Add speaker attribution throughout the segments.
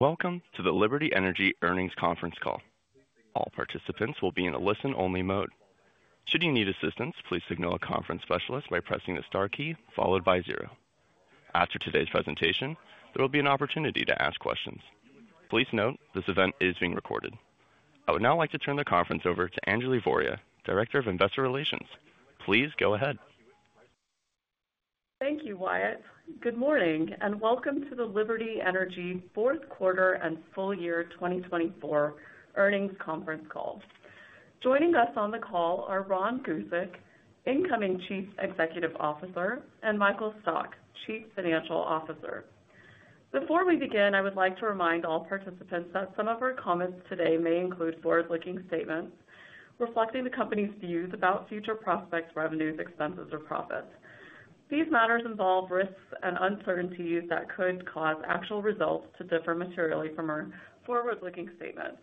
Speaker 1: Welcome to the Liberty Energy Earnings Conference Call. All participants will be in a listen-only mode. Should you need assistance, please signal a conference specialist by pressing the star key followed by zero. After today's presentation, there will be an opportunity to ask questions. Please note this event is being recorded. I would now like to turn the conference over to Anjali Voria, Director of Investor Relations. Please go ahead.
Speaker 2: Thank you, Wyatt. Good morning and welcome to the Liberty Energy fourth quarter and full year 2024 earnings conference call. Joining us on the call are Ron Gusek, incoming Chief Executive Officer, and Michael Stock, Chief Financial Officer. Before we begin, I would like to remind all participants that some of our comments today may include forward-looking statements reflecting the company's views about future prospects, revenues, expenses, or profits. These matters involve risks and uncertainties that could cause actual results to differ materially from our forward-looking statements.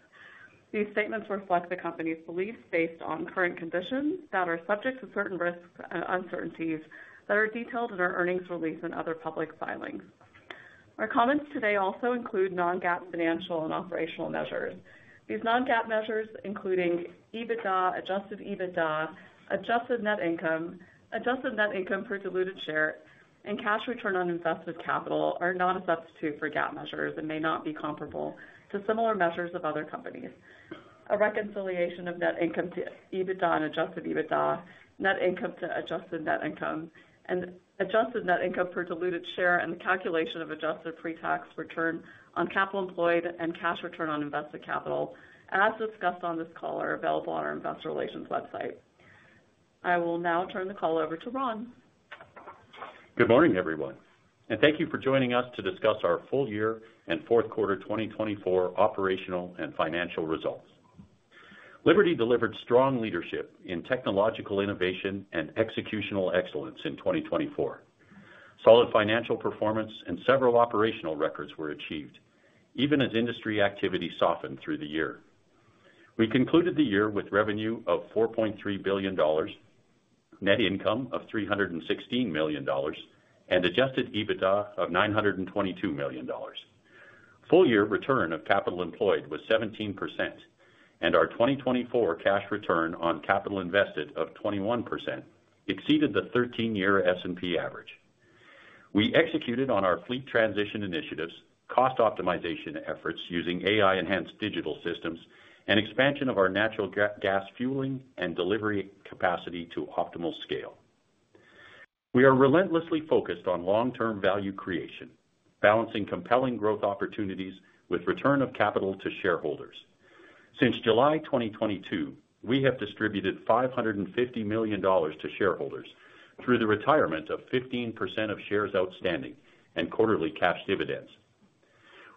Speaker 2: These statements reflect the company's beliefs based on current conditions that are subject to certain risks and uncertainties that are detailed in our earnings release and other public filings. Our comments today also include non-GAAP financial and operational measures. These non-GAAP measures, including EBITDA, adjusted EBITDA, adjusted net income, adjusted net income per diluted share, and cash return on invested capital, are not a substitute for GAAP measures and may not be comparable to similar measures of other companies. A reconciliation of net income to EBITDA and adjusted EBITDA, net income to adjusted net income, and adjusted net income per diluted share, and the calculation of adjusted pre-tax return on capital employed and cash return on invested capital, as discussed on this call, are available on our Investor Relations website. I will now turn the call over to Ron.
Speaker 3: Good morning, everyone, and thank you for joining us to discuss our full year and fourth quarter 2024 operational and financial results. Liberty delivered strong leadership in technological innovation and executional excellence in 2024. Solid financial performance and several operational records were achieved, even as industry activity softened through the year. We concluded the year with revenue of $4.3 billion, net income of $316 million, and adjusted EBITDA of $922 million. Full year return of capital employed was 17%, and our 2024 cash return on capital invested of 21% exceeded the 13-year S&P average. We executed on our fleet transition initiatives, cost optimization efforts using AI-enhanced digital systems, and expansion of our natural gas fueling and delivery capacity to optimal scale. We are relentlessly focused on long-term value creation, balancing compelling growth opportunities with return of capital to shareholders. Since July 2022, we have distributed $550 million to shareholders through the retirement of 15% of shares outstanding and quarterly cash dividends.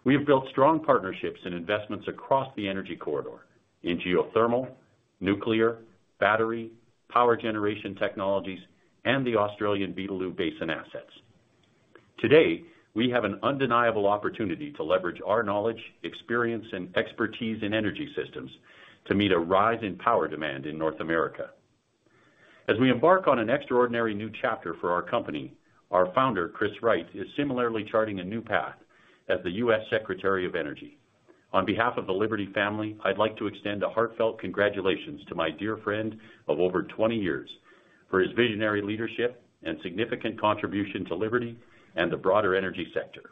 Speaker 3: We have built strong partnerships and investments across the energy corridor in geothermal, nuclear, battery, power generation technologies, and the Australian Beetaloo Basin assets. Today, we have an undeniable opportunity to leverage our knowledge, experience, and expertise in energy systems to meet a rise in power demand in North America. As we embark on an extraordinary new chapter for our company, our founder, Chris Wright, is similarly charting a new path as the U.S. Secretary of Energy. On behalf of the Liberty family, I'd like to extend heartfelt congratulations to my dear friend of over 20 years for his visionary leadership and significant contribution to Liberty and the broader energy sector.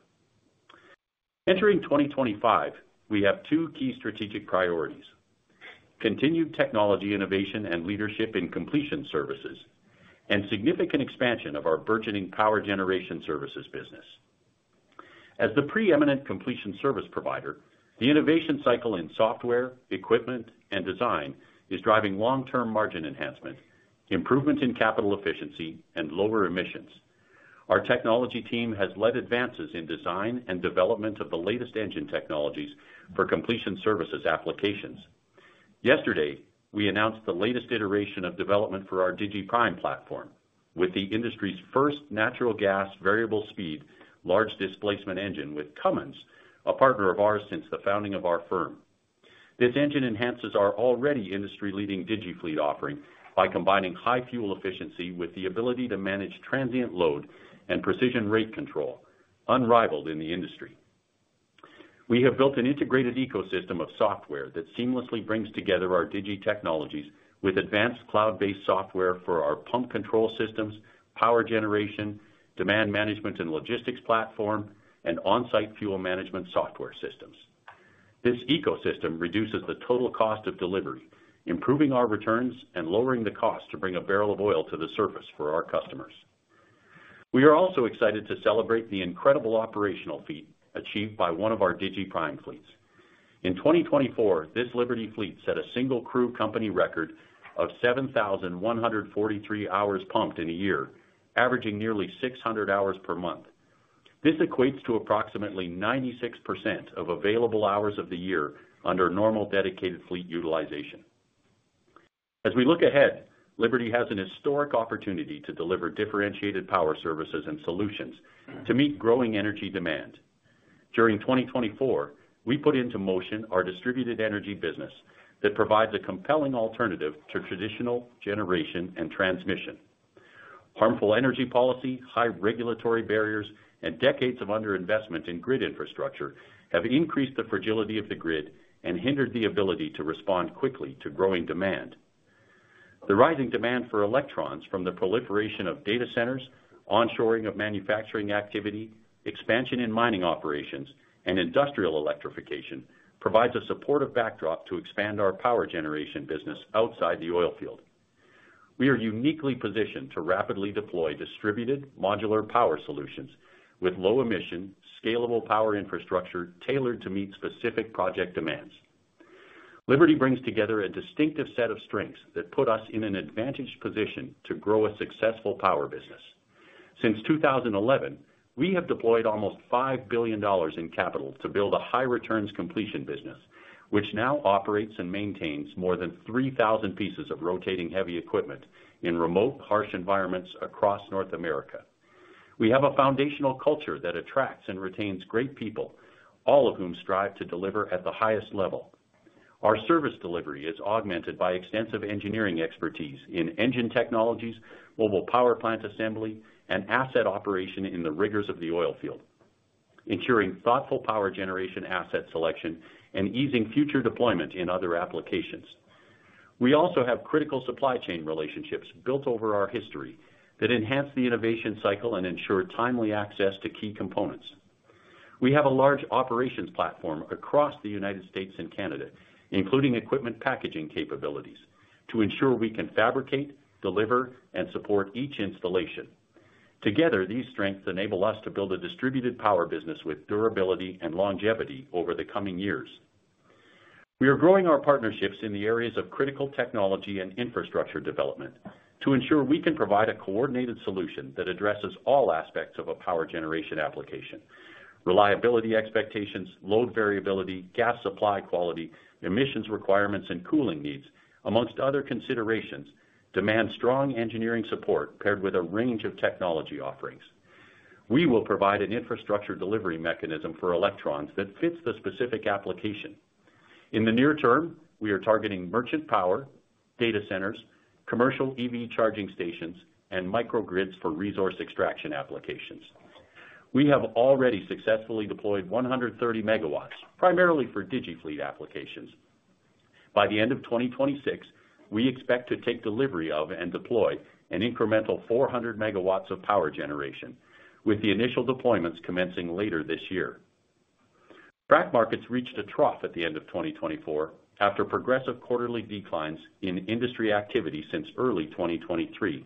Speaker 3: Entering 2025, we have two key strategic priorities: continued technology innovation and leadership in completion services, and significant expansion of our burgeoning power generation services business. As the preeminent completion service provider, the innovation cycle in software, equipment, and design is driving long-term margin enhancement, improvement in capital efficiency, and lower emissions. Our technology team has led advances in design and development of the latest engine technologies for completion services applications. Yesterday, we announced the latest iteration of development for our DigiPrime platform with the industry's first natural gas variable-speed large-displacement engine with Cummins, a partner of ours since the founding of our firm. This engine enhances our already industry-leading DigiFleet offering by combining high fuel efficiency with the ability to manage transient load and precision rate control, unrivaled in the industry. We have built an integrated ecosystem of software that seamlessly brings together our Digi technologies with advanced cloud-based software for our pump control systems, power generation, demand management and logistics platform, and on-site fuel management software systems. This ecosystem reduces the total cost of delivery, improving our returns and lowering the cost to bring a barrel of oil to the surface for our customers. We are also excited to celebrate the incredible operational feat achieved by one of our DigiPrime fleets. In 2024, this Liberty fleet set a single crew company record of 7,143 hours pumped in a year, averaging nearly 600 hours per month. This equates to approximately 96% of available hours of the year under normal dedicated fleet utilization. As we look ahead, Liberty has a historic opportunity to deliver differentiated power services and solutions to meet growing energy demand. During 2024, we put into motion our distributed energy business that provides a compelling alternative to traditional generation and transmission. Harmful energy policy, high regulatory barriers, and decades of underinvestment in grid infrastructure have increased the fragility of the grid and hindered the ability to respond quickly to growing demand. The rising demand for electrons from the proliferation of data centers, onshoring of manufacturing activity, expansion in mining operations, and industrial electrification provides a supportive backdrop to expand our power generation business outside the oil field. We are uniquely positioned to rapidly deploy distributed modular power solutions with low-emission, scalable power infrastructure tailored to meet specific project demands. Liberty brings together a distinctive set of strengths that put us in an advantaged position to grow a successful power business. Since 2011, we have deployed almost $5 billion in capital to build a high-returns completion business, which now operates and maintains more than 3,000 pieces of rotating heavy equipment in remote, harsh environments across North America. We have a foundational culture that attracts and retains great people, all of whom strive to deliver at the highest level. Our service delivery is augmented by extensive engineering expertise in engine technologies, mobile power plant assembly, and asset operation in the rigors of the oil field, ensuring thoughtful power generation asset selection and easing future deployment in other applications. We also have critical supply chain relationships built over our history that enhance the innovation cycle and ensure timely access to key components. We have a large operations platform across the United States and Canada, including equipment packaging capabilities, to ensure we can fabricate, deliver, and support each installation. Together, these strengths enable us to build a distributed power business with durability and longevity over the coming years. We are growing our partnerships in the areas of critical technology and infrastructure development to ensure we can provide a coordinated solution that addresses all aspects of a power generation application. Reliability expectations, load variability, gas supply quality, emissions requirements, and cooling needs, among other considerations, demand strong engineering support paired with a range of technology offerings. We will provide an infrastructure delivery mechanism for electrons that fits the specific application. In the near term, we are targeting merchant power, data centers, commercial EV charging stations, and microgrids for resource extraction applications. We have already successfully deployed 130 megawatts, primarily for DigiFleet applications. By the end of 2026, we expect to take delivery of and deploy an incremental 400 MW of power generation, with the initial deployments commencing later this year. Frac markets reached a trough at the end of 2024 after progressive quarterly declines in industry activity since early 2023.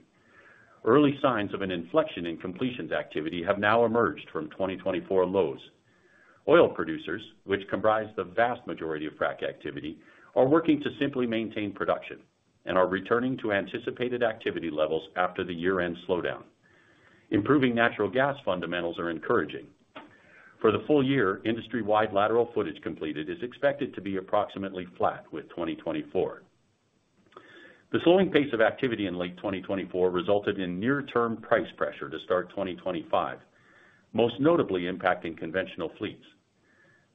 Speaker 3: Early signs of an inflection in completions activity have now emerged from 2024 lows. Oil producers, which comprise the vast majority of frac activity, are working to simply maintain production and are returning to anticipated activity levels after the year-end slowdown. Improving natural gas fundamentals are encouraging. For the full year, industry-wide lateral footage completed is expected to be approximately flat with 2024. The slowing pace of activity in late 2024 resulted in near-term price pressure to start 2025, most notably impacting conventional fleets.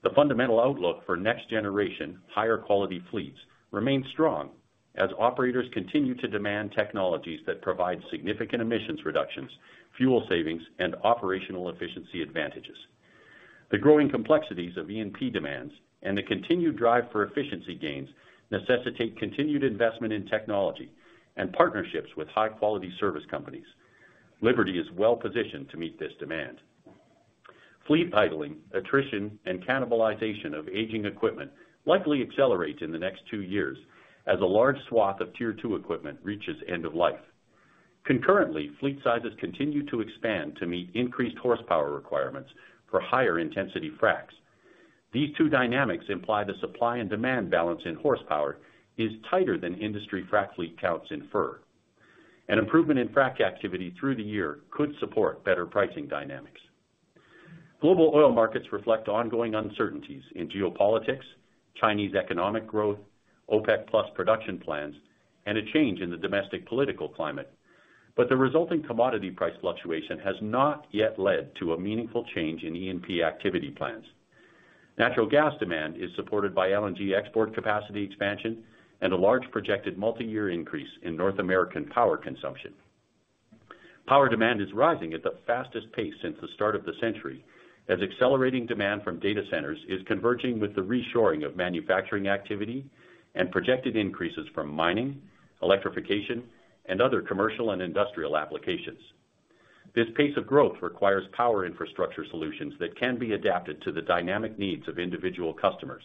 Speaker 3: The fundamental outlook for next-generation, higher-quality fleets remains strong as operators continue to demand technologies that provide significant emissions reductions, fuel savings, and operational efficiency advantages. The growing complexities of E&P demands and the continued drive for efficiency gains necessitate continued investment in technology and partnerships with high-quality service companies. Liberty is well-positioned to meet this demand. Fleet idling, attrition, and cannibalization of aging equipment likely accelerate in the next two years as a large swath of Tier 2 equipment reaches end of life. Concurrently, fleet sizes continue to expand to meet increased horsepower requirements for higher-intensity fracs. These two dynamics imply the supply and demand balance in horsepower is tighter than industry frac fleet counts infer. An improvement in frac activity through the year could support better pricing dynamics. Global oil markets reflect ongoing uncertainties in geopolitics, Chinese economic growth, OPEC+ production plans, and a change in the domestic political climate, but the resulting commodity price fluctuation has not yet led to a meaningful change in E&P activity plans. Natural gas demand is supported by LNG export capacity expansion and a large projected multi-year increase in North American power consumption. Power demand is rising at the fastest pace since the start of the century as accelerating demand from data centers is converging with the reshoring of manufacturing activity and projected increases from mining, electrification, and other commercial and industrial applications. This pace of growth requires power infrastructure solutions that can be adapted to the dynamic needs of individual customers.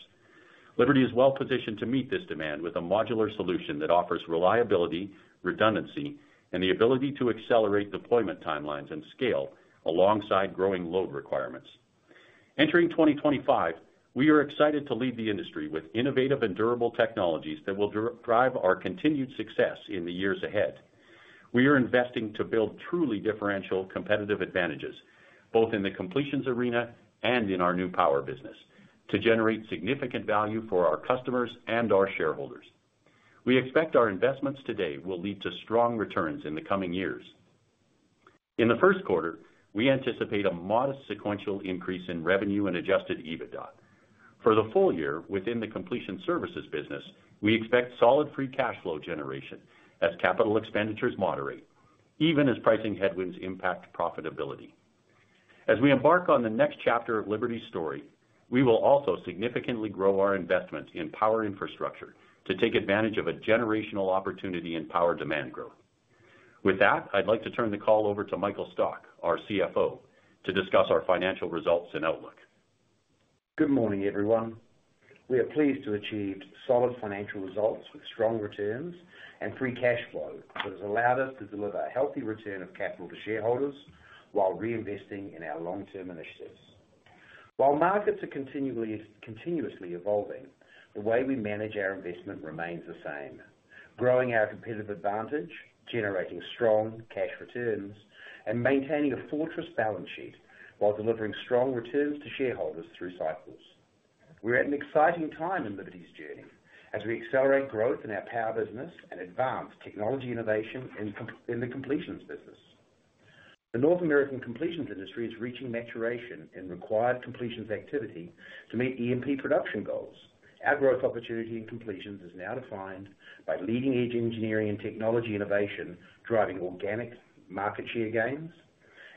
Speaker 3: Liberty is well-positioned to meet this demand with a modular solution that offers reliability, redundancy, and the ability to accelerate deployment timelines and scale alongside growing load requirements. Entering 2025, we are excited to lead the industry with innovative and durable technologies that will drive our continued success in the years ahead. We are investing to build truly differential competitive advantages, both in the completions arena and in our new power business, to generate significant value for our customers and our shareholders. We expect our investments today will lead to strong returns in the coming years. In the first quarter, we anticipate a modest sequential increase in revenue and Adjusted EBITDA. For the full year within the completion services business, we expect solid free cash flow generation as capital expenditures moderate, even as pricing headwinds impact profitability. As we embark on the next chapter of Liberty's story, we will also significantly grow our investments in power infrastructure to take advantage of a generational opportunity in power demand growth. With that, I'd like to turn the call over to Michael Stock, our CFO, to discuss our financial results and outlook.
Speaker 4: Good morning, everyone. We are pleased to achieve solid financial results with strong returns and free cash flow that has allowed us to deliver a healthy return of capital to shareholders while reinvesting in our long-term initiatives. While markets are continuously evolving, the way we manage our investment remains the same: growing our competitive advantage, generating strong cash returns, and maintaining a fortress balance sheet while delivering strong returns to shareholders through cycles. We're at an exciting time in Liberty's journey as we accelerate growth in our power business and advance technology innovation in the completions business. The North American completions industry is reaching maturation in required completions activity to meet E&P production goals. Our growth opportunity in completions is now defined by leading-edge engineering and technology innovation driving organic market share gains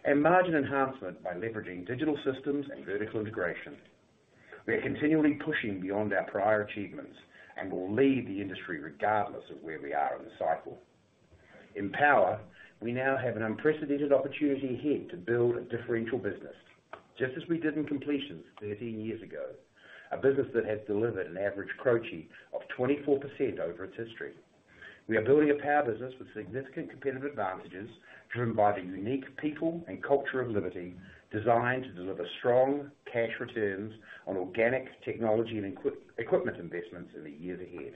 Speaker 4: and margin enhancement by leveraging digital systems and vertical integration. We are continually pushing beyond our prior achievements and will lead the industry regardless of where we are in the cycle. In power, we now have an unprecedented opportunity ahead to build a differential business, just as we did in completions 13 years ago, a business that has delivered an average CROCI of 24% over its history. We are building a power business with significant competitive advantages driven by the unique people and culture of Liberty designed to deliver strong cash returns on organic technology and equipment investments in the years ahead.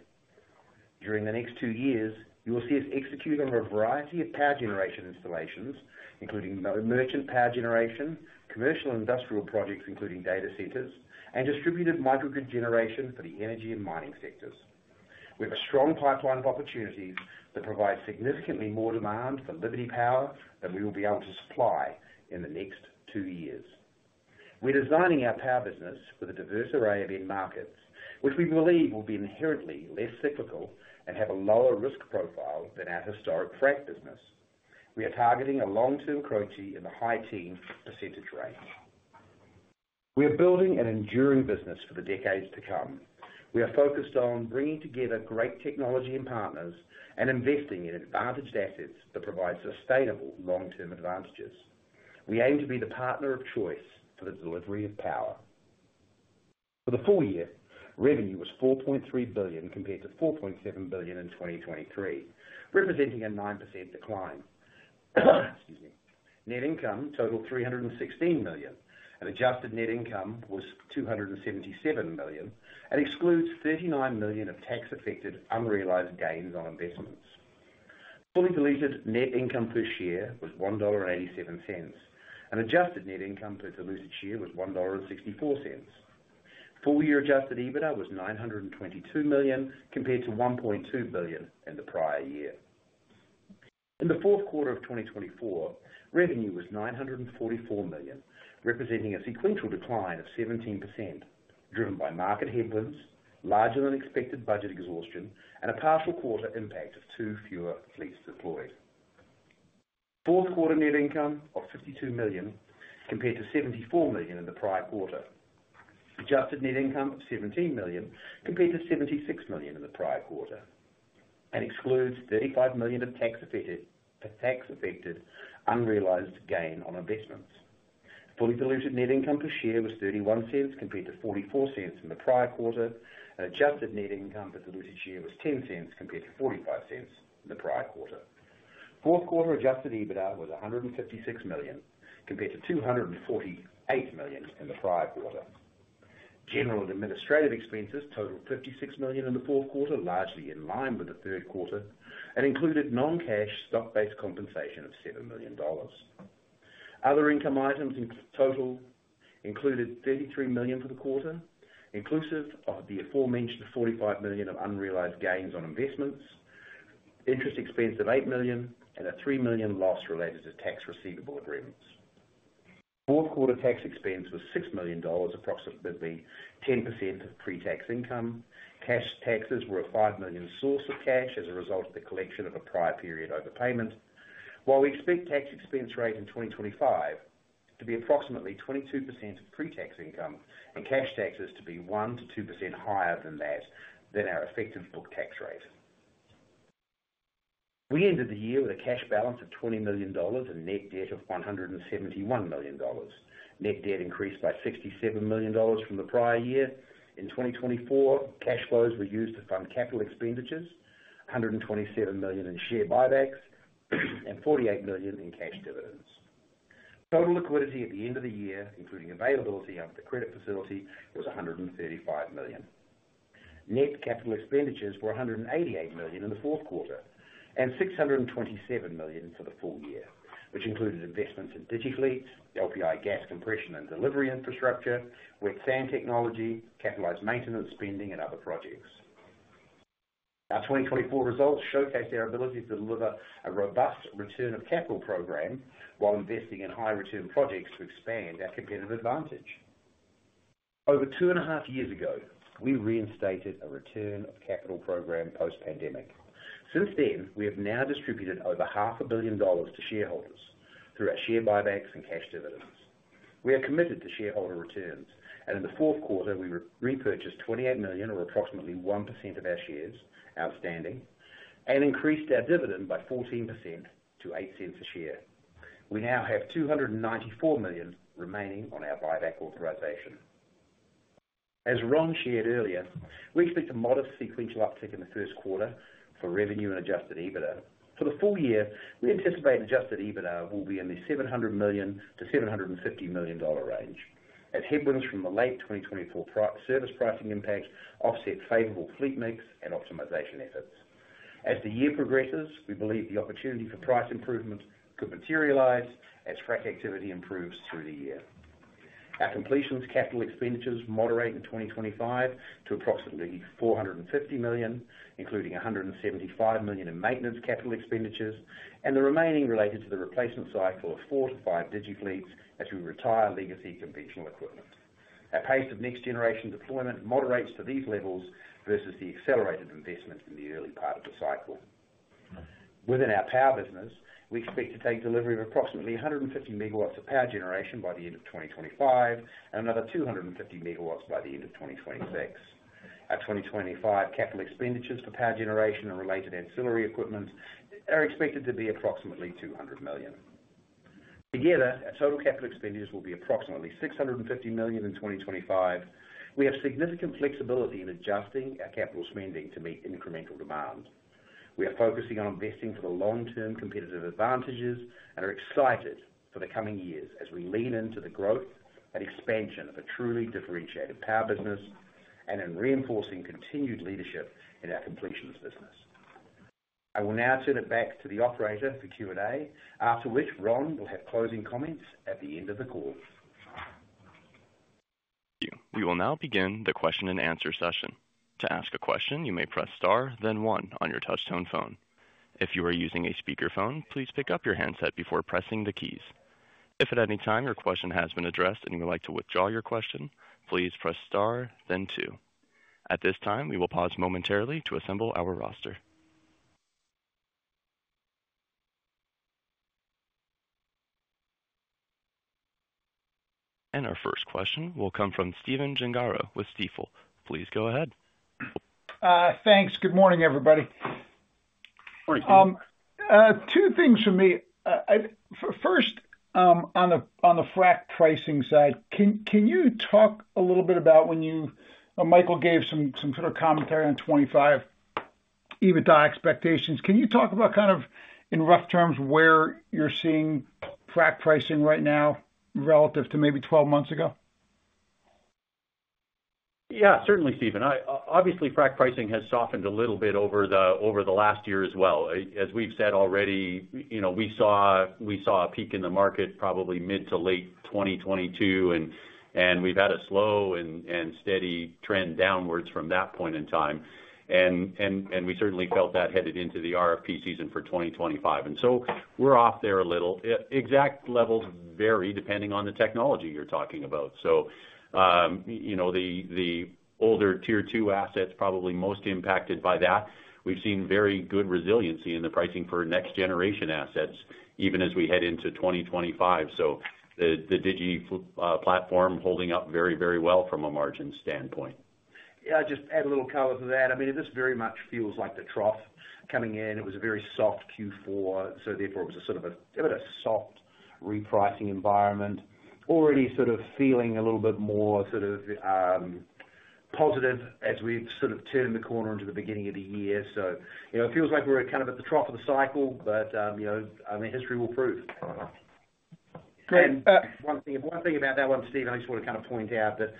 Speaker 4: During the next two years, you will see us executing a variety of power generation installations, including merchant power generation, commercial industrial projects including data centers, and distributed microgrid generation for the energy and mining sectors. We have a strong pipeline of opportunities that provide significantly more demand for Liberty Power than we will be able to supply in the next two years. We're designing our power business for the diverse array of end markets, which we believe will be inherently less cyclical and have a lower risk profile than our historic frac business. We are targeting a long-term CROCI in the high-teens percentage range. We are building an enduring business for the decades to come. We are focused on bringing together great technology and partners and investing in advantaged assets that provide sustainable long-term advantages. We aim to be the partner of choice for the delivery of power. For the full year, revenue was $4.3 billion compared to $4.7 billion in 2023, representing a 9% decline. Net income totaled $316 million. Adjusted net income was $277 million and excludes $39 million of tax-affected unrealized gains on investments. Fully diluted net income per share was $1.87, and adjusted net income per diluted share was $1.64. Full-year adjusted EBITDA was $922 million compared to $1.2 billion in the prior year. In the fourth quarter of 2024, revenue was $944 million, representing a sequential decline of 17% driven by market headwinds, larger-than-expected budget exhaustion, and a partial quarter impact of two fewer fleets deployed. Fourth quarter net income of $52 million compared to $74 million in the prior quarter. Adjusted net income of $17 million compared to $76 million in the prior quarter and excludes $35 million of tax-affected unrealized gain on investments. Diluted net income per share was $0.31 compared to $0.44 in the prior quarter, and Adjusted Net Income per diluted share was $0.10 compared to $0.45 in the prior quarter. Fourth quarter Adjusted EBITDA was $156 million compared to $248 million in the prior quarter. General and administrative expenses totaled $56 million in the fourth quarter, largely in line with the third quarter, and included non-cash stock-based compensation of $7 million. Other income items in total included $33 million for the quarter, inclusive of the aforementioned $45 million of unrealized gains on investments, interest expense of $8 million, and a $3 million loss related to tax receivable agreements. Fourth quarter tax expense was $6 million, approximately 10% of pre-tax income. Cash taxes were a $5 million source of cash as a result of the collection of a prior period overpayment, while we expect tax expense rate in 2025 to be approximately 22% of pre-tax income and cash taxes to be 1%-2% higher than our effective book tax rate. We ended the year with a cash balance of $20 million and net debt of $171 million. Net debt increased by $67 million from the prior year. In 2024, cash flows were used to fund capital expenditures, $127 million in share buybacks, and $48 million in cash dividends. Total liquidity at the end of the year, including availability under the credit facility, was $135 million. Net capital expenditures were $188 million in the fourth quarter and $627 million for the full year, which included investments in DigiFleet, LPI gas compression and delivery infrastructure, wet sand technology, capitalized maintenance spending, and other projects. Our 2024 results showcase our ability to deliver a robust return of capital program while investing in high-return projects to expand our competitive advantage. Over two and a half years ago, we reinstated a return of capital program post-pandemic. Since then, we have now distributed over $500 million to shareholders through our share buybacks and cash dividends. We are committed to shareholder returns, and in the fourth quarter, we repurchased 28 million, or approximately 1% of our shares outstanding, and increased our dividend by 14% to $0.08 a share. We now have $294 million remaining on our buyback authorization. As Ron shared earlier, we expect a modest sequential uptick in the first quarter for revenue and Adjusted EBITDA. For the full year, we anticipate Adjusted EBITDA will be in the $700 to 750 million range as headwinds from the late 2024 service pricing impacts offset favorable fleet mix and optimization efforts. As the year progresses, we believe the opportunity for price improvements could materialize as Frac activity improves through the year. Our completions capital expenditures moderate in 2025 to approximately $450 million, including $175 million in maintenance capital expenditures, and the remaining related to the replacement cycle of four to five DigiFleets as we retire legacy conventional equipment. Our pace of next-generation deployment moderates to these levels versus the accelerated investment in the early part of the cycle. Within our power business, we expect to take delivery of approximately 150 megawatts of power generation by the end of 2025 and another 250 megawatts by the end of 2026. Our 2025 capital expenditures for power generation and related ancillary equipment are expected to be approximately $200 million. Together, our total capital expenditures will be approximately $650 million in 2025. We have significant flexibility in adjusting our capital spending to meet incremental demand. We are focusing on investing for the long-term competitive advantages and are excited for the coming years as we lean into the growth and expansion of a truly differentiated power business and in reinforcing continued leadership in our completions business. I will now turn it back to the operator for Q&A, after which Ron will have closing comments at the end of the call.
Speaker 1: We will now begin the question and answer session. To ask a question, you may press star, then one on your touch-tone phone. If you are using a speakerphone, please pick up your handset before pressing the keys. If at any time your question has been addressed and you would like to withdraw your question, please press star, then two. At this time, we will pause momentarily to assemble our roster. Our first question will come from Stephen Gengaro with Stifel. Please go ahead.
Speaker 5: Thanks. Good morning, everybody. Two things for me. First, on the frac pricing side, can you talk a little bit about when you, Michael, gave some sort of commentary on 2025 EBITDA expectations? Can you talk about kind of, in rough terms, where you're seeing frac pricing right now relative to maybe 12 months ago?
Speaker 3: Yeah, certainly, Stephen. Obviously, frac pricing has softened a little bit over the last year as well. As we've said already, we saw a peak in the market probably mid to late 2022, and we've had a slow and steady trend downwards from that point in time. We certainly felt that headed into the RFP season for 2025. So we're off there a little. Exact levels vary depending on the technology you're talking about. The older Tier 2 assets probably most impacted by that. We've seen very good resiliency in the pricing for next-generation assets, even as we head into 2025. The Digi platform holding up very, very well from a margin standpoint.
Speaker 4: Yeah, just add a little color to that. I mean, this very much feels like the trough coming in. It was a very soft Q4, so therefore it was a sort of a bit of a soft repricing environment, already sort of feeling a little bit more sort of positive as we've sort of turned the corner into the beginning of the year. So it feels like we're kind of at the trough of the cycle, but I mean, history will prove, and one thing about that one, Stephen, I just want to kind of point out that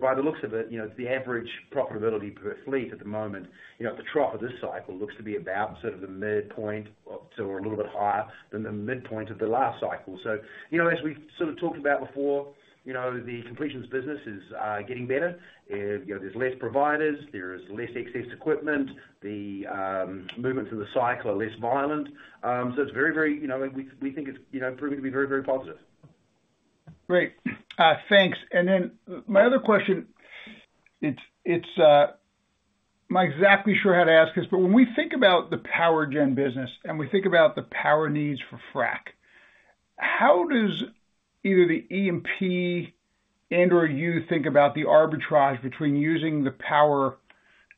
Speaker 4: by the looks of it, the average profitability per fleet at the moment at the trough of this cycle looks to be about sort of the midpoint or a little bit higher than the midpoint of the last cycle. So as we've sort of talked about before, the completions business is getting better. There's less providers, there is less excess equipment, the movements in the cycle are less violent. So it's very, very we think it's proving to be very, very positive.
Speaker 5: Great. Thanks. And then my other question, I'm not exactly sure how to ask this, but when we think about the power gen business and we think about the power needs for frac, how does either the E&P and/or you think about the arbitrage between using the power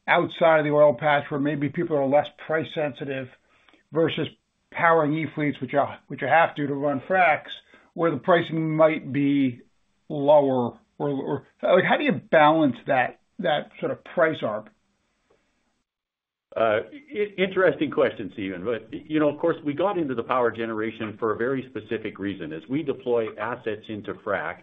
Speaker 5: outside of the oil patch where maybe people are less price sensitive versus powering E fleets, which you have to do to run fracs, where the pricing might be lower? How do you balance that sort of price arb?
Speaker 3: Interesting question, Stephen. Of course, we got into the power generation for a very specific reason. As we deploy assets into frac,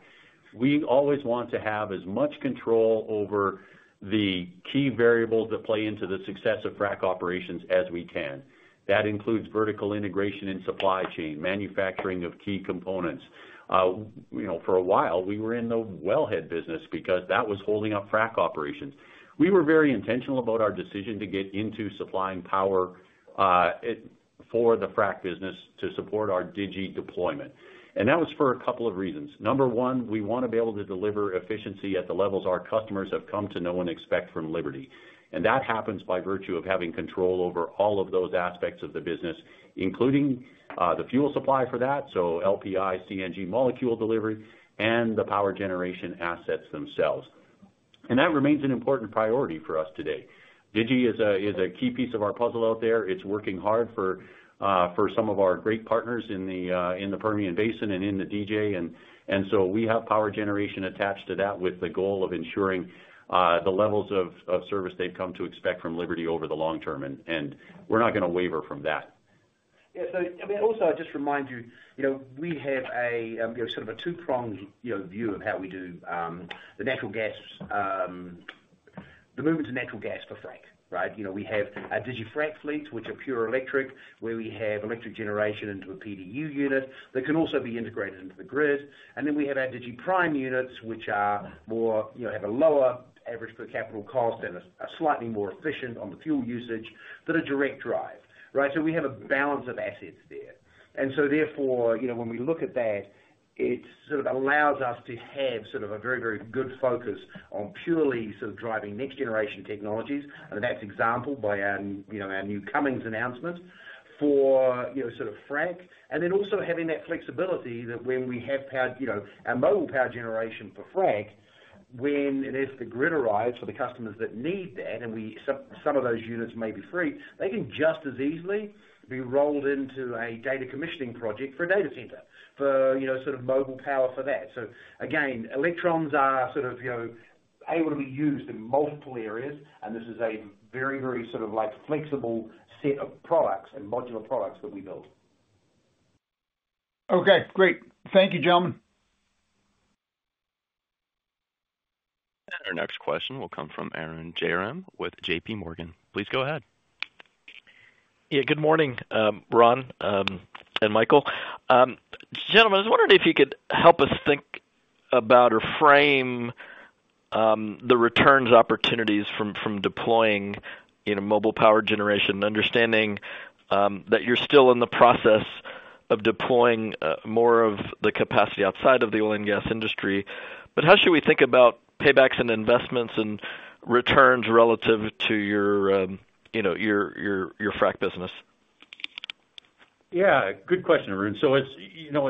Speaker 3: we always want to have as much control over the key variables that play into the success of frac operations as we can. That includes vertical integration in supply chain, manufacturing of key components. For a while, we were in the wellhead business because that was holding up frac operations. We were very intentional about our decision to get into supplying power for the frac business to support our Digi deployment. And that was for a couple of reasons. Number one, we want to be able to deliver efficiency at the levels our customers have come to know and expect from Liberty. And that happens by virtue of having control over all of those aspects of the business, including the fuel supply for that, so LPI, CNG molecule delivery, and the power generation assets themselves. And that remains an important priority for us today. Digi is a key piece of our puzzle out there. It's working hard for some of our great partners in the Permian Basin and in the DJ. And so we have power generation attached to that with the goal of ensuring the levels of service they've come to expect from Liberty over the long term. And we're not going to waver from that.
Speaker 4: Yeah. So I mean, also, I just remind you, we have sort of a two-pronged view of how we do the movements of natural gas for frac, right? We have our DigiFrac fleets, which are pure electric, where we have electric generation into a PDU unit that can also be integrated into the grid. And then we have our DigiPrime units, which have a lower average per capita cost and are slightly more efficient on the fuel usage that are direct drive, right? So we have a balance of assets there. And so therefore, when we look at that, it sort of allows us to have sort of a very, very good focus on purely sort of driving next-generation technologies. And that's exemplified by our upcoming announcement for sort of frac. And then also having that flexibility that when we have our mobile power generation for frac, when the grid arrives for the customers that need that, and some of those units may be free, they can just as easily be rolled into a data center commissioning project for a data center for sort of mobile power for that. So again, electrons are sort of able to be used in multiple areas, and this is a very, very sort of flexible set of products and modular products that we build.
Speaker 5: Okay. Great. Thank you, gentlemen.
Speaker 1: And our next question will come from Arun Jayaram with JPMorgan. Please go ahead. Yeah.
Speaker 6: Good morning, Ron and Michael. Gentlemen, I was wondering if you could help us think about or frame the returns opportunities from deploying mobile power generation, understanding that you're still in the process of deploying more of the capacity outside of the oil and gas industry. But how should we think about paybacks and investments and returns relative to your frac business?
Speaker 3: Yeah. Good question, Arun. So as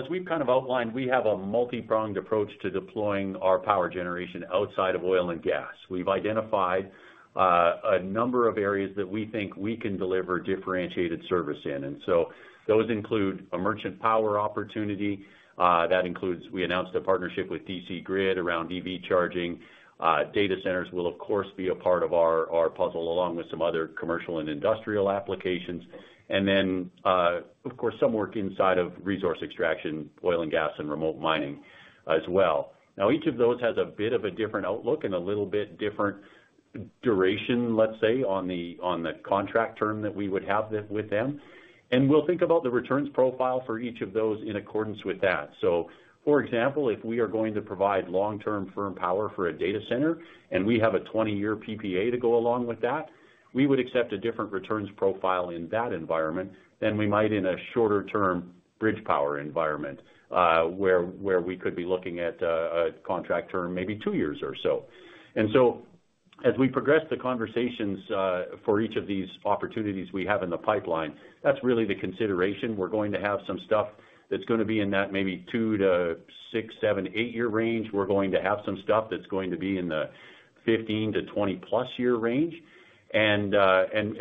Speaker 3: we've kind of outlined, we have a multi-pronged approach to deploying our power generation outside of oil and gas. We've identified a number of areas that we think we can deliver differentiated service in. And so those include a merchant power opportunity. That includes we announced a partnership with DC Grid around EV charging. Data centers will, of course, be a part of our puzzle along with some other commercial and industrial applications. Then, of course, some work inside of resource extraction, oil and gas, and remote mining as well. Now, each of those has a bit of a different outlook and a little bit different duration, let's say, on the contract term that we would have with them. We'll think about the returns profile for each of those in accordance with that. For example, if we are going to provide long-term firm power for a data center and we have a 20-year PPA to go along with that, we would accept a different returns profile in that environment than we might in a shorter-term bridge power environment where we could be looking at a contract term maybe two years or so. As we progress the conversations for each of these opportunities we have in the pipeline, that's really the consideration. We're going to have some stuff that's going to be in that maybe two to six, seven, eight-year range. We're going to have some stuff that's going to be in the 15 to 20-plus-year range. And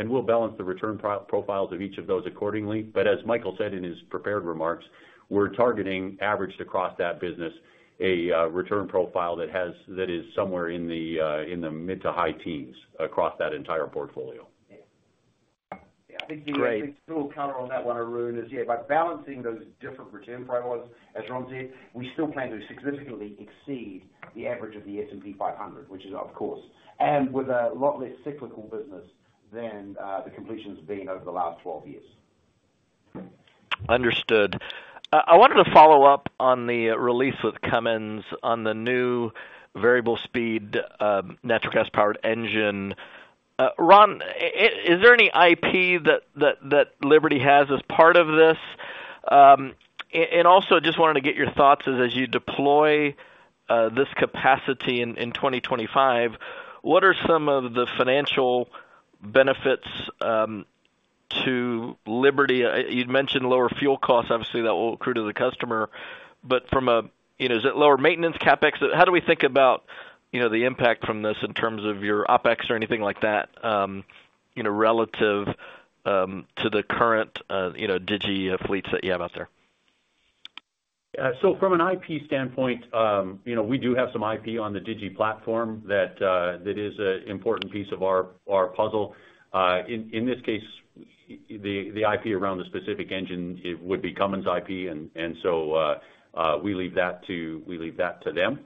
Speaker 3: we'll balance the return profiles of each of those accordingly. But as Michael said in his prepared remarks, we're targeting averaged across that business a return profile that is somewhere in the mid- to high-teens across that entire portfolio.
Speaker 4: Yeah. I think the real color on that one, Arun, is by balancing those different return profiles, as Ron said, we still plan to significantly exceed the average of the S&P 500, which is, of course, and with a lot less cyclical business than the completions have been over the last 12 years.
Speaker 6: Understood. I wanted to follow up on the release with Cummins on the new variable-speed natural gas-powered engine. Ron, is there any IP that Liberty has as part of this? And also, just wanted to get your thoughts as you deploy this capacity in 2025. What are some of the financial benefits to Liberty? You'd mentioned lower fuel costs. Obviously, that will accrue to the customer. But from a, is it lower maintenance CapEx? How do we think about the impact from this in terms of your OpEx or anything like that relative to the current Digi fleets that you have out there?
Speaker 3: So from an IP standpoint, we do have some IP on the Digi platform that is an important piece of our puzzle. In this case, the IP around the specific engine would be Cummins' IP. And so we leave that to them.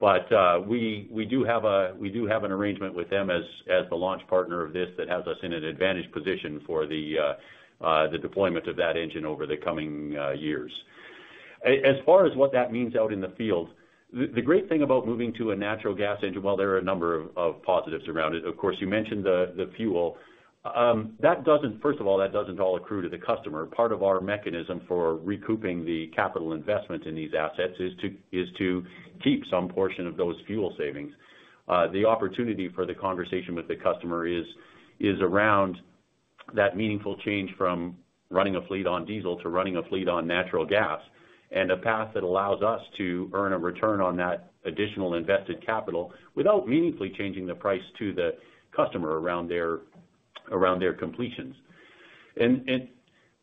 Speaker 3: But we do have an arrangement with them as the launch partner of this that has us in an advantage position for the deployment of that engine over the coming years. As far as what that means out in the field, the great thing about moving to a natural gas engine, well, there are a number of positives around it. Of course, you mentioned the fuel. First of all, that doesn't all accrue to the customer. Part of our mechanism for recouping the capital investment in these assets is to keep some portion of those fuel savings. The opportunity for the conversation with the customer is around that meaningful change from running a fleet on diesel to running a fleet on natural gas and a path that allows us to earn a return on that additional invested capital without meaningfully changing the price to the customer around their completions. And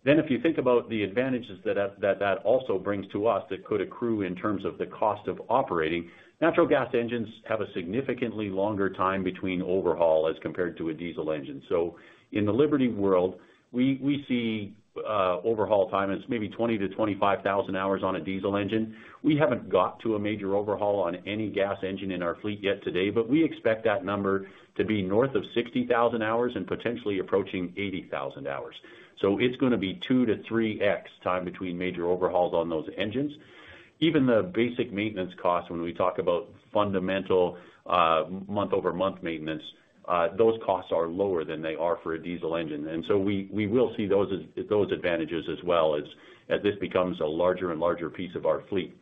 Speaker 3: then if you think about the advantages that that also brings to us that could accrue in terms of the cost of operating, natural gas engines have a significantly longer time between overhaul as compared to a diesel engine. So in the Liberty world, we see overhaul time is maybe 20,000-25,000 hours on a diesel engine. We haven't got to a major overhaul on any gas engine in our fleet yet today, but we expect that number to be north of 60,000 hours and potentially approaching 80,000 hours. So it's going to be two to three X time between major overhauls on those engines. Even the basic maintenance costs, when we talk about fundamental month-over-month maintenance, those costs are lower than they are for a diesel engine. And so we will see those advantages as well as this becomes a larger and larger piece of our fleet.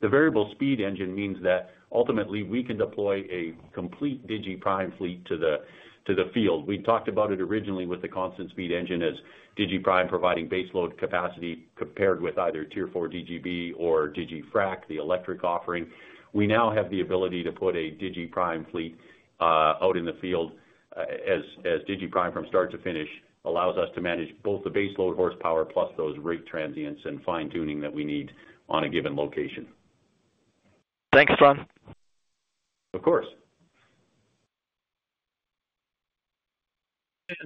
Speaker 3: The variable-speed engine means that ultimately we can deploy a complete DigiPrime fleet to the field. We talked about it originally with the constant-speed engine as DigiPrime providing base load capacity compared with either Tier 4 DGB or DigiFrac, the electric offering. We now have the ability to put a DigiPrime fleet out in the field as DigiPrime from start to finish allows us to manage both the base load horsepower plus those rate transients and fine-tuning that we need on a given location.
Speaker 6: Thanks, Ron.
Speaker 3: Of course.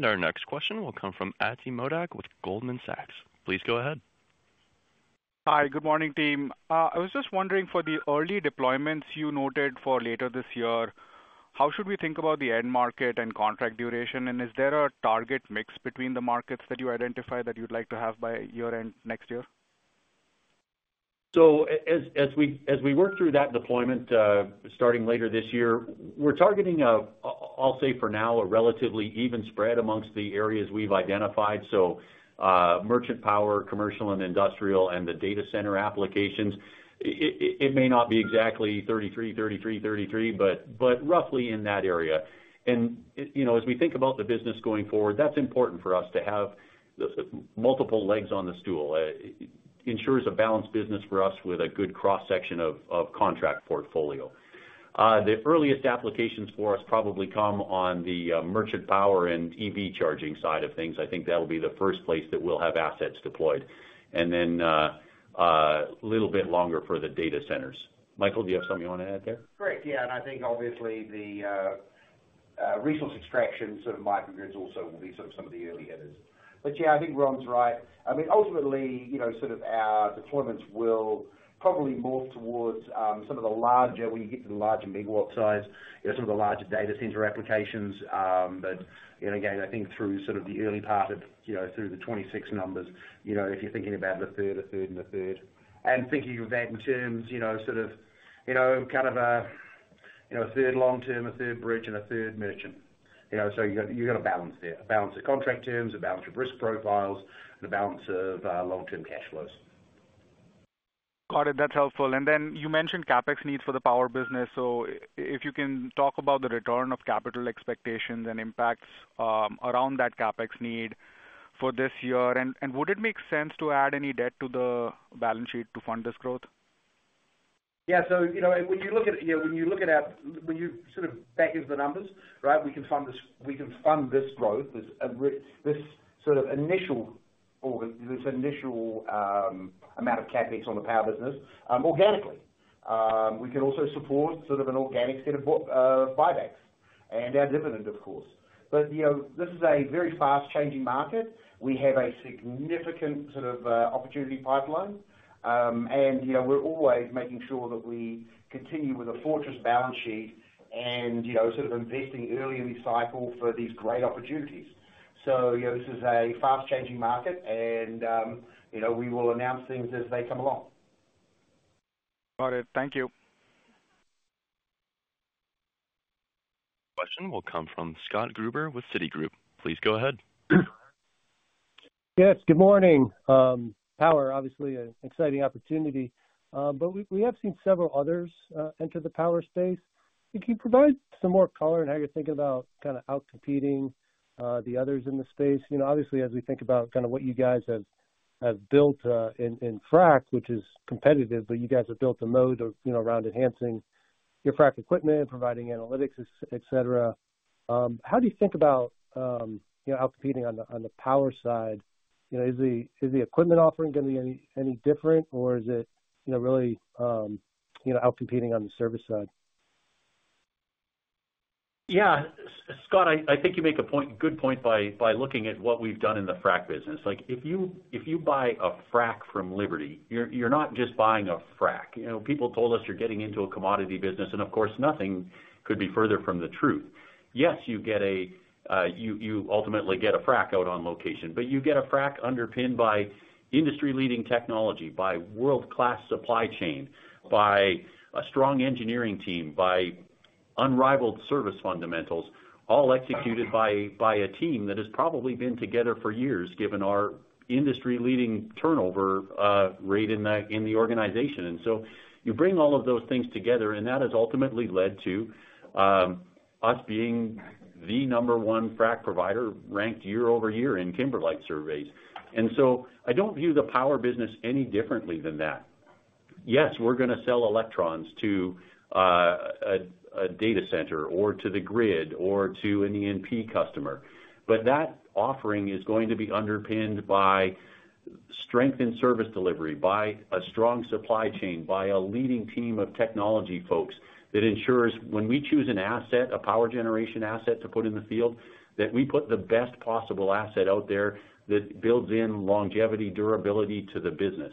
Speaker 1: Our next question will come from Ati Modak with Goldman Sachs. Please go ahead.
Speaker 7: Hi. Good morning, team. I was just wondering for the early deployments you noted for later this year, how should we think about the end market and contract duration? And is there a target mix between the markets that you identify that you'd like to have by year-end next year?
Speaker 3: So as we work through that deployment starting later this year, we're targeting. I'll say for now, a relatively even spread amongst the areas we've identified. So merchant power, commercial and industrial, and the data center applications. It may not be exactly 33, 33, 33, but roughly in that area. And as we think about the business going forward, that's important for us to have multiple legs on the stool. It ensures a balanced business for us with a good cross-section of contract portfolio. The earliest applications for us probably come on the merchant power and EV charging side of things. I think that'll be the first place that we'll have assets deployed. And then a little bit longer for the data centers. Michael, do you have something you want to add there?
Speaker 4: Great. Yeah. And I think obviously the resource extraction sort of microgrids also will be sort of some of the early adopters. But yeah, I think Ron's right. I mean, ultimately, sort of our deployments will probably morph towards some of the larger when you get to the larger megawatt size, some of the larger data center applications. But again, I think through sort of the early part of 2026, if you're thinking about a third, a third, and a third. And thinking of that in terms sort of kind of a third long-term, a third bridge, and a third merchant. So you've got to balance there. A balance of contract terms, a balance of risk profiles, and a balance of long-term cash flows.
Speaker 7: Got it. That's helpful. And then you mentioned CapEx needs for the power business. So if you can talk about the return of capital expectations and impacts around that CapEx need for this year. And would it make sense to add any debt to the balance sheet to fund this growth?
Speaker 3: Yeah. So when you look at sort of back into the numbers, right, we can fund this growth, this sort of initial amount of CapEx on the power business organically. We can also support sort of an organic set of buybacks and our dividend, of course. But this is a very fast-changing market. We have a significant sort of opportunity pipeline. And we're always making sure that we continue with a fortress balance sheet and sort of investing early in the cycle for these great opportunities. So this is a fast-changing market, and we will announce things as they come along.
Speaker 7: Got it. Thank you.
Speaker 1: Question will come from Scott Gruber with Citi Group. Please go ahead.
Speaker 8: Yes. Good morning. Power, obviously, an exciting opportunity. But we have seen several others enter the power space. If you can provide some more color in how you're thinking about kind of outcompeting the others in the space. Obviously, as we think about kind of what you guys have built in frac, which is competitive, but you guys have built a mode around enhancing your frac equipment, providing analytics, etc. How do you think about outcompeting on the power side? Is the equipment offering going to be any different, or is it really outcompeting on the service side?
Speaker 3: Yeah. Scott, I think you make a good point by looking at what we've done in the frac business. If you buy a frac from Liberty, you're not just buying a frac. People told us you're getting into a commodity business. And of course, nothing could be further from the truth. Yes, you ultimately get a frac out on location, but you get a frac underpinned by industry-leading technology, by world-class supply chain, by a strong engineering team, by unrivaled service fundamentals, all executed by a team that has probably been together for years, given our industry-leading turnover rate in the organization. And so you bring all of those things together, and that has ultimately led to us being the number one frac provider ranked year over year in Kimberlite surveys. And so I don't view the power business any differently than that. Yes, we're going to sell electrons to a data center or to the grid or to an end customer. But that offering is going to be underpinned by strength in service delivery, by a strong supply chain, by a leading team of technology folks that ensures when we choose an asset, a power generation asset to put in the field, that we put the best possible asset out there that builds in longevity, durability to the business.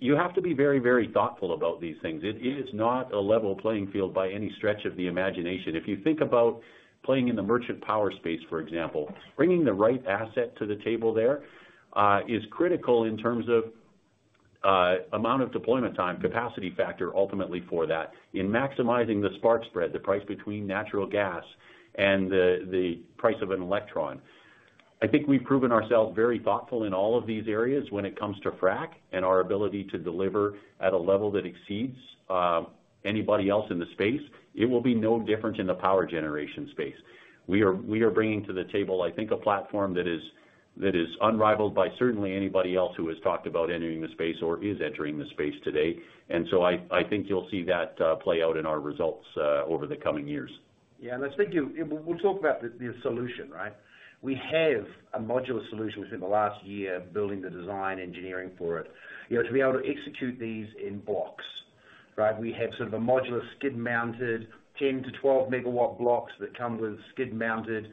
Speaker 3: You have to be very, very thoughtful about these things. It is not a level playing field by any stretch of the imagination. If you think about playing in the merchant power space, for example, bringing the right asset to the table there is critical in terms of amount of deployment time, capacity factor ultimately for that, in maximizing the spark spread, the price between natural gas and the price of an electron. I think we've proven ourselves very thoughtful in all of these areas when it comes to frac and our ability to deliver at a level that exceeds anybody else in the space. It will be no different in the power generation space. We are bringing to the table, I think, a platform that is unrivaled by certainly anybody else who has talked about entering the space or is entering the space today. And so I think you'll see that play out in our results over the coming years.
Speaker 4: Yeah. And I think we'll talk about the solution, right? We have a modular solution. Within the last year, building the design engineering for it to be able to execute these in blocks, right? We have sort of a modular skid-mounted 10-12 MW blocks that come with skid-mounted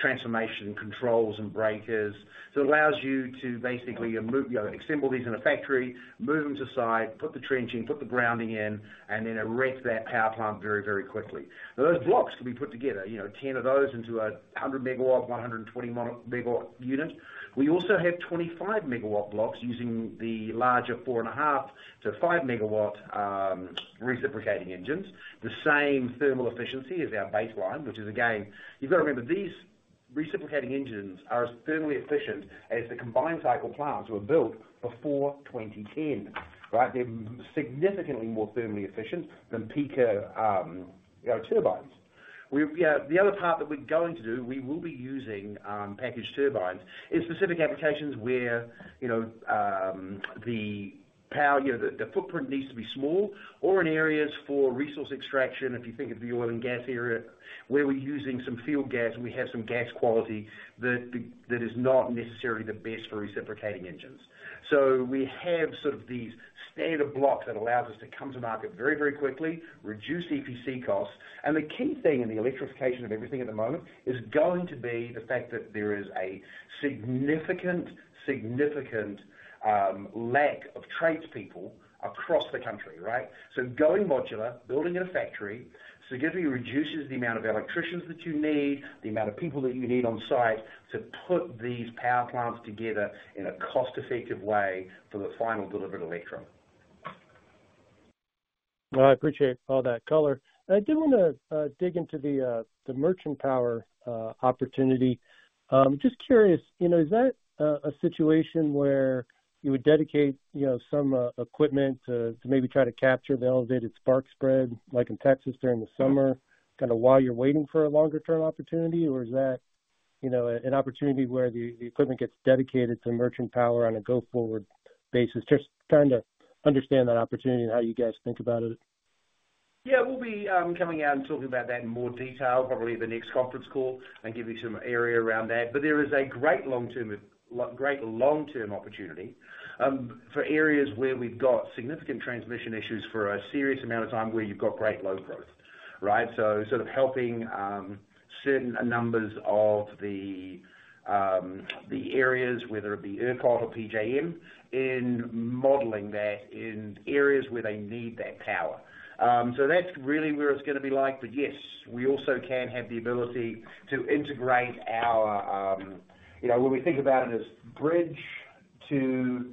Speaker 4: transformer controls and breakers that allows you to basically assemble these in a factory, move them to site, put the trenching, put the grounding in, and then erect that power plant very, very quickly. Those blocks can be put together, 10 of those into a 100 MW, 120 MW unit. We also have 25 MW blocks using the larger 4.5-5 MW reciprocating engines, the same thermal efficiency as our baseline, which is, again, you've got to remember these reciprocating engines are as thermally efficient as the combined cycle plants were built before 2010, right? They're significantly more thermally efficient than peaking turbines. The other part that we're going to do, we will be using packaged turbines, is specific applications where the footprint needs to be small or in areas for resource extraction. If you think of the oil and gas area, where we're using some field gas and we have some gas quality that is not necessarily the best for reciprocating engines. So we have sort of these standard blocks that allows us to come to market very, very quickly, reduce EPC costs. And the key thing in the electrification of everything at the moment is going to be the fact that there is a significant, significant lack of tradespeople across the country, right? So going modular, building in a factory, significantly reduces the amount of electricians that you need, the amount of people that you need on site to put these power plants together in a cost-effective way for the final delivered electron.
Speaker 8: I appreciate all that color. I did want to dig into the merchant power opportunity. Just curious, is that a situation where you would dedicate some equipment to maybe try to capture the elevated spark spread like in Texas during the summer kind of while you're waiting for a longer-term opportunity, or is that an opportunity where the equipment gets dedicated to merchant power on a go-forward basis? Just trying to understand that opportunity and how you guys think about it.
Speaker 4: Yeah. We'll be coming out and talking about that in more detail, probably at the next conference call and give you some area around that. But there is a great long-term opportunity for areas where we've got significant transmission issues for a serious amount of time where you've got great load growth, right? So sort of helping certain numbers of the areas, whether it be ERCOT or PJM, in modeling that in areas where they need that power. So that's really where it's going to be like. But yes, we also can have the ability to integrate our when we think about it as bridge to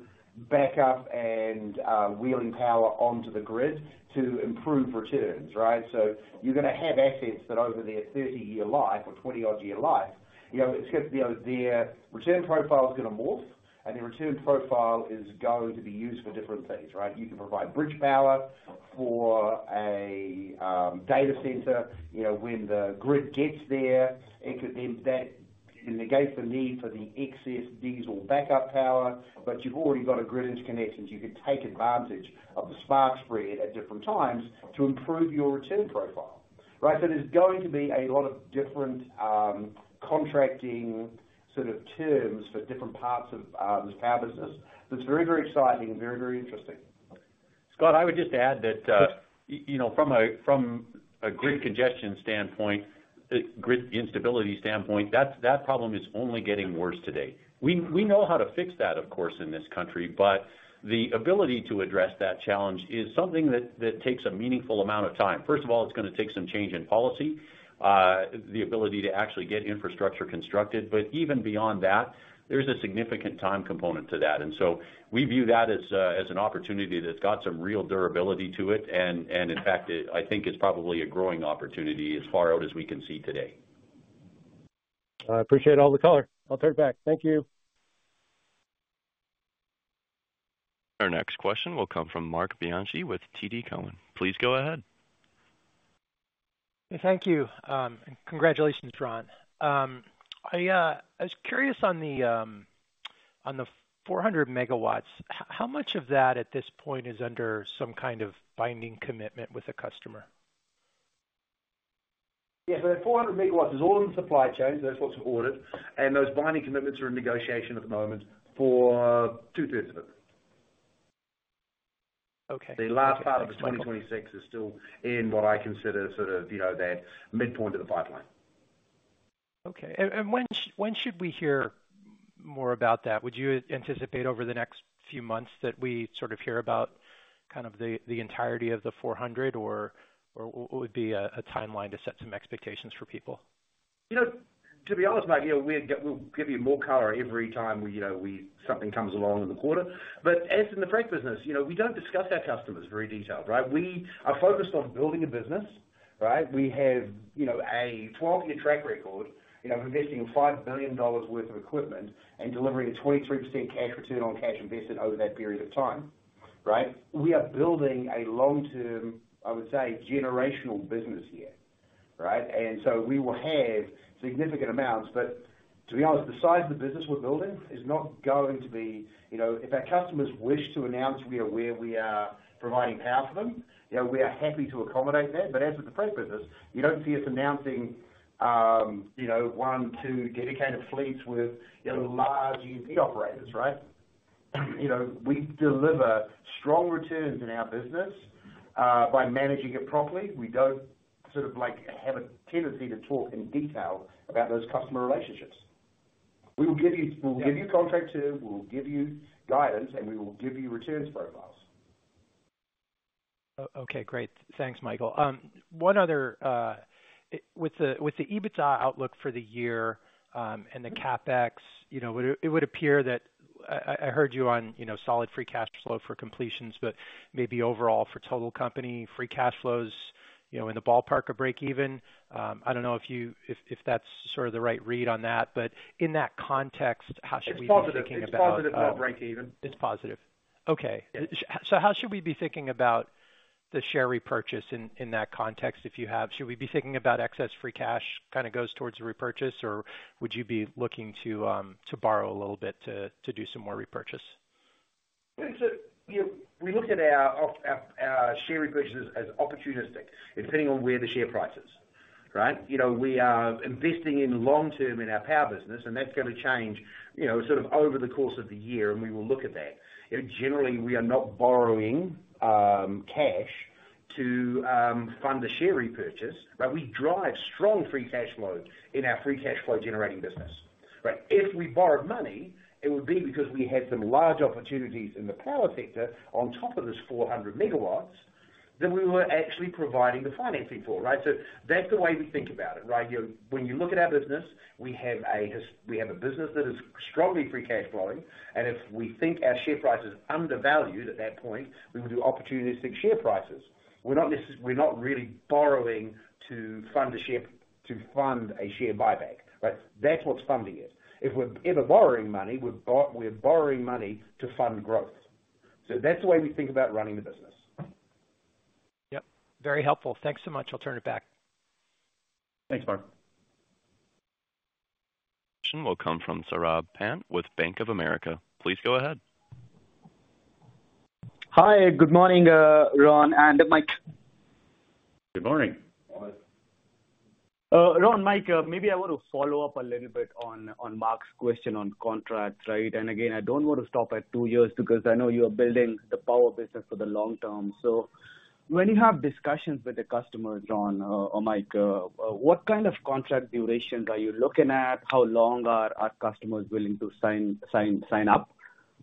Speaker 4: backup and wheeling power onto the grid to improve returns, right? So you're going to have assets that over their 30-year life or 20-odd year life, it's going to be their return profile is going to morph, and the return profile is going to be used for different things, right? You can provide bridge power for a data center. When the grid gets there, it could then negate the need for the excess diesel backup power. But you've already got a grid interconnection. You can take advantage of the spark spread at different times to improve your return profile, right? So there's going to be a lot of different contracting sort of terms for different parts of this power business. That's very, very exciting and very, very interesting.
Speaker 3: Scott, I would just add that from a grid congestion standpoint, grid instability standpoint, that problem is only getting worse today. We know how to fix that, of course, in this country, but the ability to address that challenge is something that takes a meaningful amount of time. First of all, it's going to take some change in policy, the ability to actually get infrastructure constructed. But even beyond that, there's a significant time component to that. And so we view that as an opportunity that's got some real durability to it. And in fact, I think it's probably a growing opportunity as far out as we can see today.
Speaker 8: I appreciate all the color. I'll turn it back. Thank you.
Speaker 1: Our next question will come from Mark Bianchi with TD Cowen. Please go ahead.
Speaker 9: Thank you. Congratulations, Ron. I was curious on the 400 MW. How much of that at this point is under some kind of binding commitment with a customer?
Speaker 4: Yeah. So that 400 MW is all in the supply chain. Those folks have ordered. And those binding commitments are in negotiation at the moment for two-thirds of it. The last part of the 2026 is still in what I consider sort of that midpoint of the pipeline.
Speaker 9: Okay. And when should we hear more about that? Would you anticipate over the next few months that we sort of hear about kind of the entirety of the 400 MW, or what would be a timeline to set some expectations for people?
Speaker 4: To be honest, Mark, we'll give you more color every time something comes along in the quarter. But as in the frac business, we don't discuss our customers very detailed, right? We are focused on building a business, right? We have a 12-year track record of investing $5 billion worth of equipment and delivering a 23% cash return on cash invested over that period of time, right? We are building a long-term, I would say, generational business here, right? And so we will have significant amounts. But to be honest, the size of the business we're building is not going to be if our customers wish to announce where we are providing power for them, we are happy to accommodate that. But as with the frac business, you don't see us announcing one, two dedicated fleets with large E&P operators, right? We deliver strong returns in our business by managing it properly. We don't sort of have a tendency to talk in detail about those customer relationships. We will give you contract term. We will give you guidance, and we will give you returns profiles.
Speaker 9: Okay. Great. Thanks, Michael. One other with the EBITDA outlook for the year and the CapEx, it would appear that I heard you on solid free cash flow for completions, but maybe overall for total company, free cash flows in the ballpark of break-even. I don't know if that's sort of the right read on that. But in that context, howshould we be thinking about it?
Speaker 3: It's positive.
Speaker 4: It's positive about break-even.
Speaker 9: It's positive. Okay. So how should we be thinking about the share repurchase in that context if you have? Should we be thinking about excess free cash kind of goes towards the repurchase, or would you be looking to borrow a little bit to do some more repurchase?
Speaker 4: We look at our share repurchases as opportunistic, depending on where the share price is, right? We are investing in long-term in our power business, and that's going to change sort of over the course of the year, and we will look at that. Generally, we are not borrowing cash to fund the share repurchase, but we drive strong free cash flow in our free cash flow generating business, right? If we borrowed money, it would be because we had some large opportunities in the power sector on top of this 400 MW that we were actually providing the financing for, right? So that's the way we think about it, right? When you look at our business, we have a business that is strongly free cash flowing, and if we think our share price is undervalued at that point, we will do opportunistic share repurchases. We're not really borrowing to fund a share buyback, right? That's what's funding it. If we're ever borrowing money, we're borrowing money to fund growth. So that's the way we think about running the business.
Speaker 9: Yep. Very helpful. Thanks so much. I'll turn it back.
Speaker 4: Thanks, Mark.
Speaker 1: Question will come from Saurabh Pant with Bank of America. Please go ahead.
Speaker 10: Hi. Good morning, Ron. And Mike.
Speaker 3: Good morning.
Speaker 10: Ron, Mike, maybe I want to follow up a little bit on Mark's question on contracts, right? And again, I don't want to stop at two years because I know you are building the power business for the long term. So when you have discussions with the customers, Ron, or Mike, what kind of contract durations are you looking at? How long are customers willing to sign up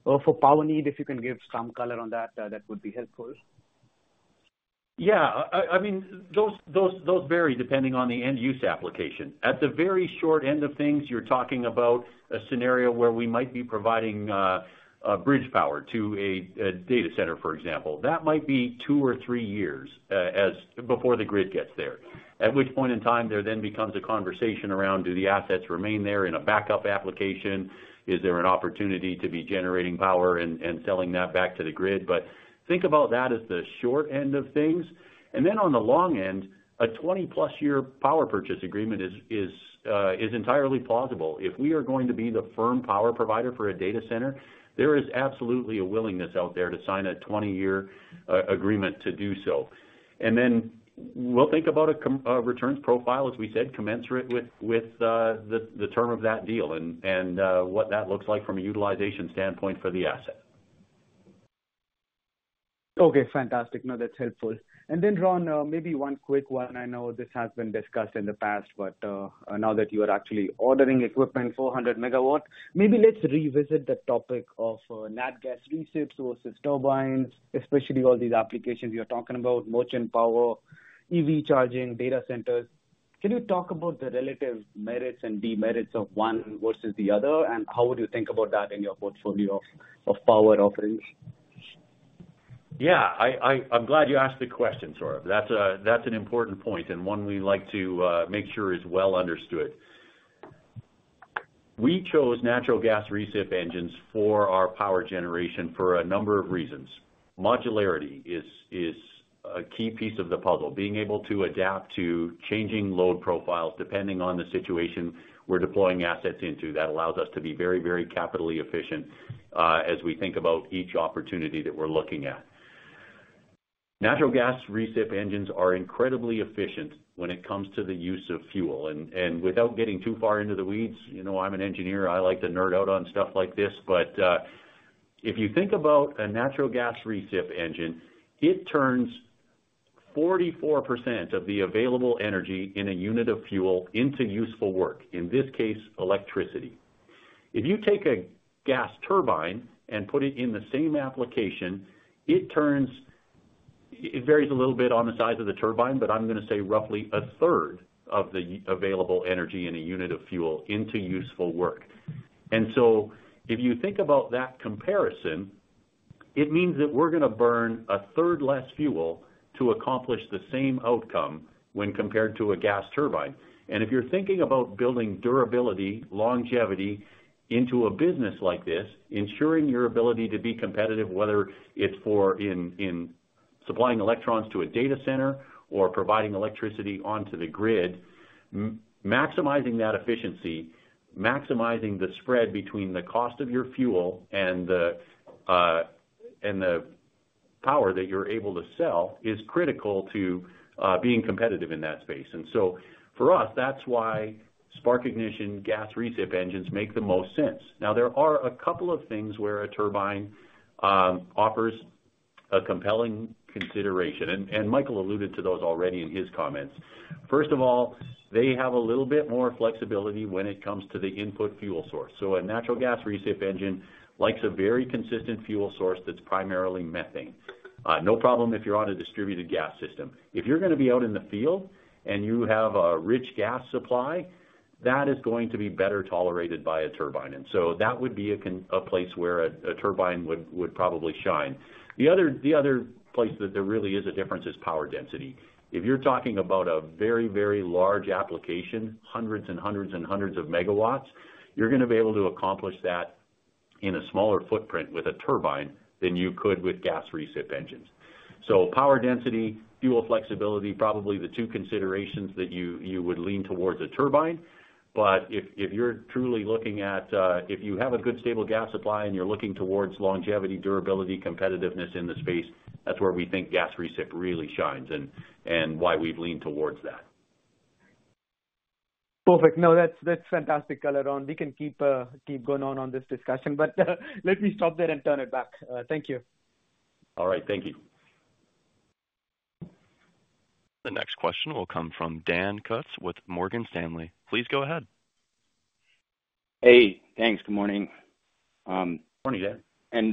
Speaker 10: for power need? If you can give some color on that, that would be helpful.
Speaker 3: Yeah. I mean, those vary depending on the end-use application. At the very short end of things, you're talking about a scenario where we might be providing bridge power to a data center, for example. That might be two or three years before the grid gets there, at which point in time there then becomes a conversation around, do the assets remain there in a backup application? Is there an opportunity to be generating power and selling that back to the grid? But think about that as the short end of things. And then on the long end, a 20+ year power purchase agreement is entirely plausible. If we are going to be the firm power provider for a data center, there is absolutely a willingness out there to sign a 20-year agreement to do so. Then we'll think about a returns profile, as we said, commensurate with the term of that deal and what that looks like from a utilization standpoint for the asset.
Speaker 10: Okay. Fantastic. No, that's helpful. And then, Ron, maybe one quick one. I know this has been discussed in the past, but now that you are actually ordering equipment, 400 MW, maybe let's revisit the topic of natural gas reciprocating engines versus turbines, especially all these applications you're talking about, merchant power, EV charging, data centers. Can you talk about the relative merits and demerits of one versus the other, and how would you think about that in your portfolio of power offerings?
Speaker 3: Yeah. I'm glad you asked the question, Saurabh. That's an important point and one we like to make sure is well understood. We chose natural gas reciprocating engines for our power generation for a number of reasons. Modularity is a key piece of the puzzle. Being able to adapt to changing load profiles depending on the situation we're deploying assets into that allows us to be very, very capital efficient as we think about each opportunity that we're looking at. Natural gas reciprocating engines are incredibly efficient when it comes to the use of fuel. And without getting too far into the weeds, I'm an engineer. I like to nerd out on stuff like this. But if you think about a natural gas reciprocating engine, it turns 44% of the available energy in a unit of fuel into useful work, in this case, electricity. If you take a gas turbine and put it in the same application, it varies a little bit on the size of the turbine, but I'm going to say roughly a third of the available energy in a unit of fuel into useful work. And so if you think about that comparison, it means that we're going to burn a third less fuel to accomplish the same outcome when compared to a gas turbine. And if you're thinking about building durability, longevity into a business like this, ensuring your ability to be competitive, whether it's for supplying electrons to a data center or providing electricity onto the grid, maximizing that efficiency, maximizing the spread between the cost of your fuel and the power that you're able to sell is critical to being competitive in that space. And so for us, that's why spark ignition gas reciprocating engines make the most sense. Now, there are a couple of things where a turbine offers a compelling consideration. And Michael alluded to those already in his comments. First of all, they have a little bit more flexibility when it comes to the input fuel source. So a natural gas reciprocating engine likes a very consistent fuel source that's primarily methane. No problem if you're on a distributed gas system. If you're going to be out in the field and you have a rich gas supply, that is going to be better tolerated by a turbine. And so that would be a place where a turbine would probably shine. The other place that there really is a difference is power density. If you're talking about a very, very large application, hundreds and hundreds and hundreds of megawatts, you're going to be able to accomplish that in a smaller footprint with a turbine than you could with reciprocating engines. So power density, fuel flexibility, probably the two considerations that you would lean towards a turbine. But if you're truly looking at if you have a good stable gas supply and you're looking towards longevity, durability, competitiveness in the space, that's where we think reciprocating really shines and why we've leaned towards that.
Speaker 10: Perfect. No, that's fantastic color, Ron. We can keep going on this discussion, but let me stop there and turn it back. Thank you.
Speaker 3: All right. Thank you.
Speaker 1: The next question will come from Dan Kutz with Morgan Stanley. Please go ahead.
Speaker 11: Hey. Thanks. Good morning.
Speaker 3: Morning, Dan.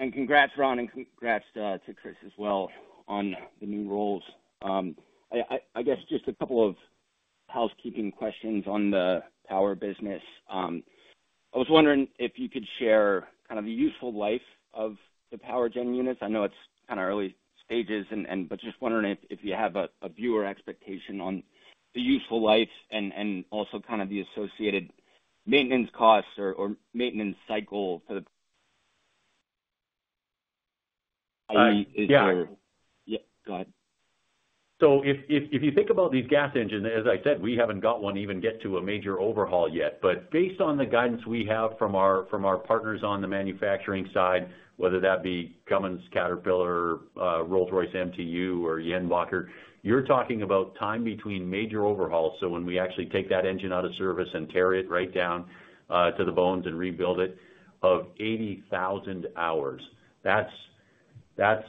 Speaker 11: And congrats, Ron, and congrats to Chris as well on the new roles. I guess just a couple of housekeeping questions on the power business. I was wondering if you could share kind of the useful life of the power gen units. I know it's kind of early stages, but just wondering if you have a vague expectation on the useful life and also kind of the associated maintenance costs or maintenance cycle for the. Yeah. Go ahead.
Speaker 3: So if you think about these gas engines, as I said, we haven't even gotten to a major overhaul yet. But based on the guidance we have from our partners on the manufacturing side, whether that be Cummins, Caterpillar, Rolls-Royce MTU, or Jenbacher, you're talking about time between major overhauls. When we actually take that engine out of service and tear it right down to the bones and rebuild it of 80,000 hours, that's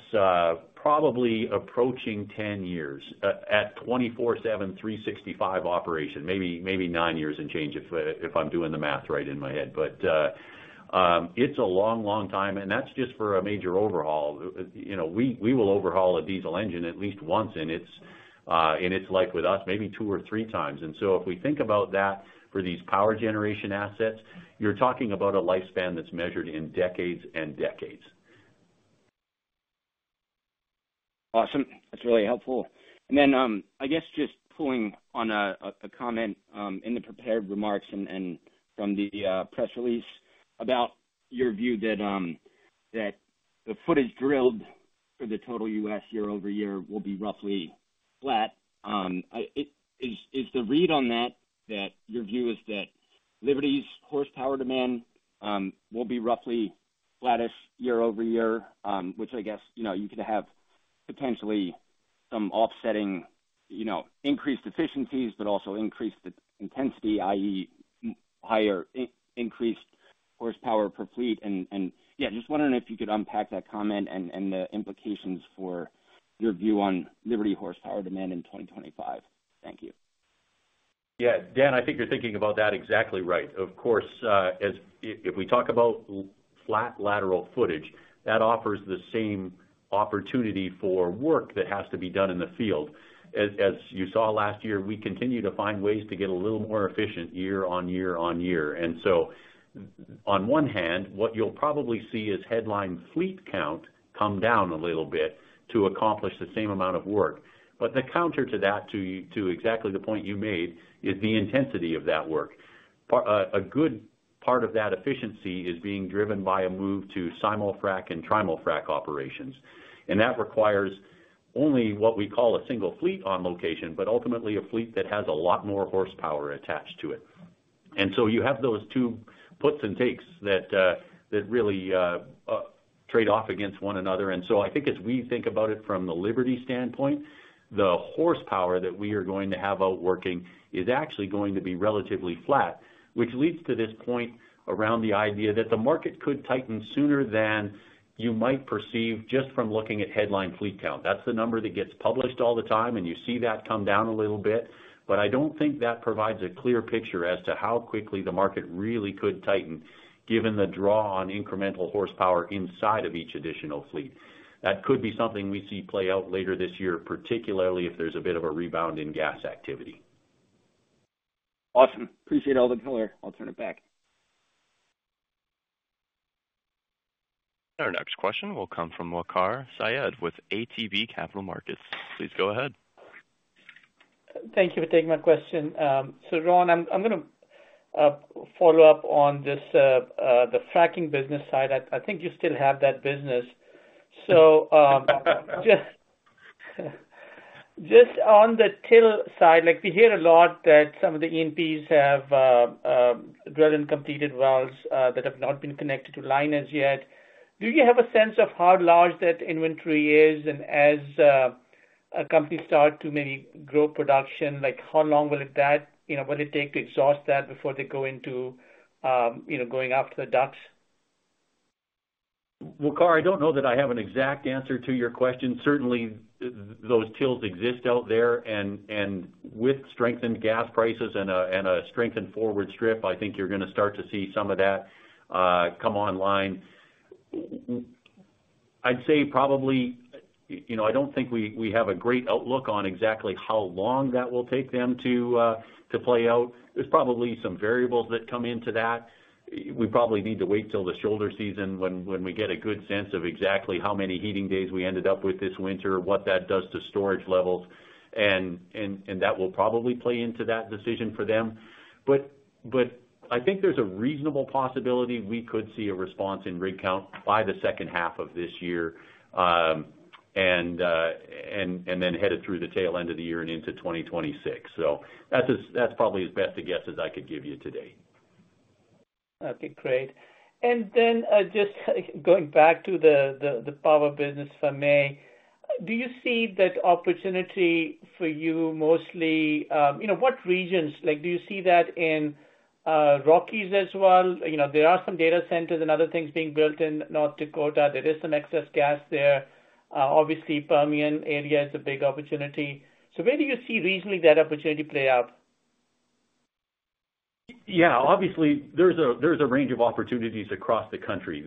Speaker 3: probably approaching ten years at 24/7, 365 operation, maybe nine years and change if I'm doing the math right in my head. But it's a long, long time. And that's just for a major overhaul. We will overhaul a diesel engine at least once in its life with us, maybe two or three times. And so if we think about that for these power generation assets, you're talking about a lifespan that's measured in decades and decades.
Speaker 11: Awesome. That's really helpful. And then I guess just pulling on a comment in the prepared remarks and from the press release about your view that the footage drilled for the total U.S. year-over-year will be roughly flat. Is the read on that that your view is that Liberty's horsepower demand will be roughly flattish year-over-year, which I guess you could have potentially some offsetting increased efficiencies, but also increased intensity, i.e., higher increased horsepower per fleet? And yeah, just wondering if you could unpack that comment and the implications for your view on Liberty horsepower demand in 2025. Thank you.
Speaker 3: Yeah. Dan, I think you're thinking about that exactly right. Of course, if we talk about flat lateral footage, that offers the same opportunity for work that has to be done in the field. As you saw last year, we continue to find ways to get a little more efficient year on year on year. And so on one hand, what you'll probably see is headline fleet count come down a little bit to accomplish the same amount of work. But the counter to that, to exactly the point you made, is the intensity of that work. A good part of that efficiency is being driven by a move to Simul-Frac and Trimul-Frac operations. And that requires only what we call a single fleet on location, but ultimately a fleet that has a lot more horsepower attached to it. And so you have those two puts and takes that really trade off against one another. And so I think as we think about it from the Liberty standpoint, the horsepower that we are going to have out working is actually going to be relatively flat, which leads to this point around the idea that the market could tighten sooner than you might perceive just from looking at headline fleet count. That's the number that gets published all the time, and you see that come down a little bit. But I don't think that provides a clear picture as to how quickly the market really could tighten given the draw on incremental horsepower inside of each additional fleet. That could be something we see play out later this year, particularly if there's a bit of a rebound in gas activity.
Speaker 11: Awesome. Appreciate all the color. I'll turn it back.
Speaker 1: Our next question will come from Waqar Syed with ATB Capital Markets. Please go ahead.
Speaker 12: Thank you for taking my question. So Ron, I'm going to follow up on the fracking business side. I think you still have that business. So just on the E&P side, we hear a lot that some of the E&Ps have drilled and completed wells that have not been connected to pipelines yet. Do you have a sense of how large that inventory is? As a company starts to maybe grow production, how long will it take to exhaust that before they go into going after the DUCs?
Speaker 3: Waqar, I don't know that I have an exact answer to your question. Certainly, those DUCs exist out there. And with strengthened gas prices and a strengthened forward strip, I think you're going to start to see some of that come online. I'd say probably I don't think we have a great outlook on exactly how long that will take them to play out. There's probably some variables that come into that. We probably need to wait till the shoulder season when we get a good sense of exactly how many heating days we ended up with this winter, what that does to storage levels. And that will probably play into that decision for them. But I think there's a reasonable possibility we could see a response in rig count by the second half of this year and then headed through the tail end of the year and into 2026. So that's probably as best a guess as I could give you today.
Speaker 12: Okay. Great. And then just going back to the power business for me, do you see that opportunity for you mostly what regions? Do you see that in Rockies as well? There are some data centers and other things being built in North Dakota. There is some excess gas there. Obviously, Permian area is a big opportunity. So where do you see regionally that opportunity play out?
Speaker 3: Yeah. Obviously, there's a range of opportunities across the country.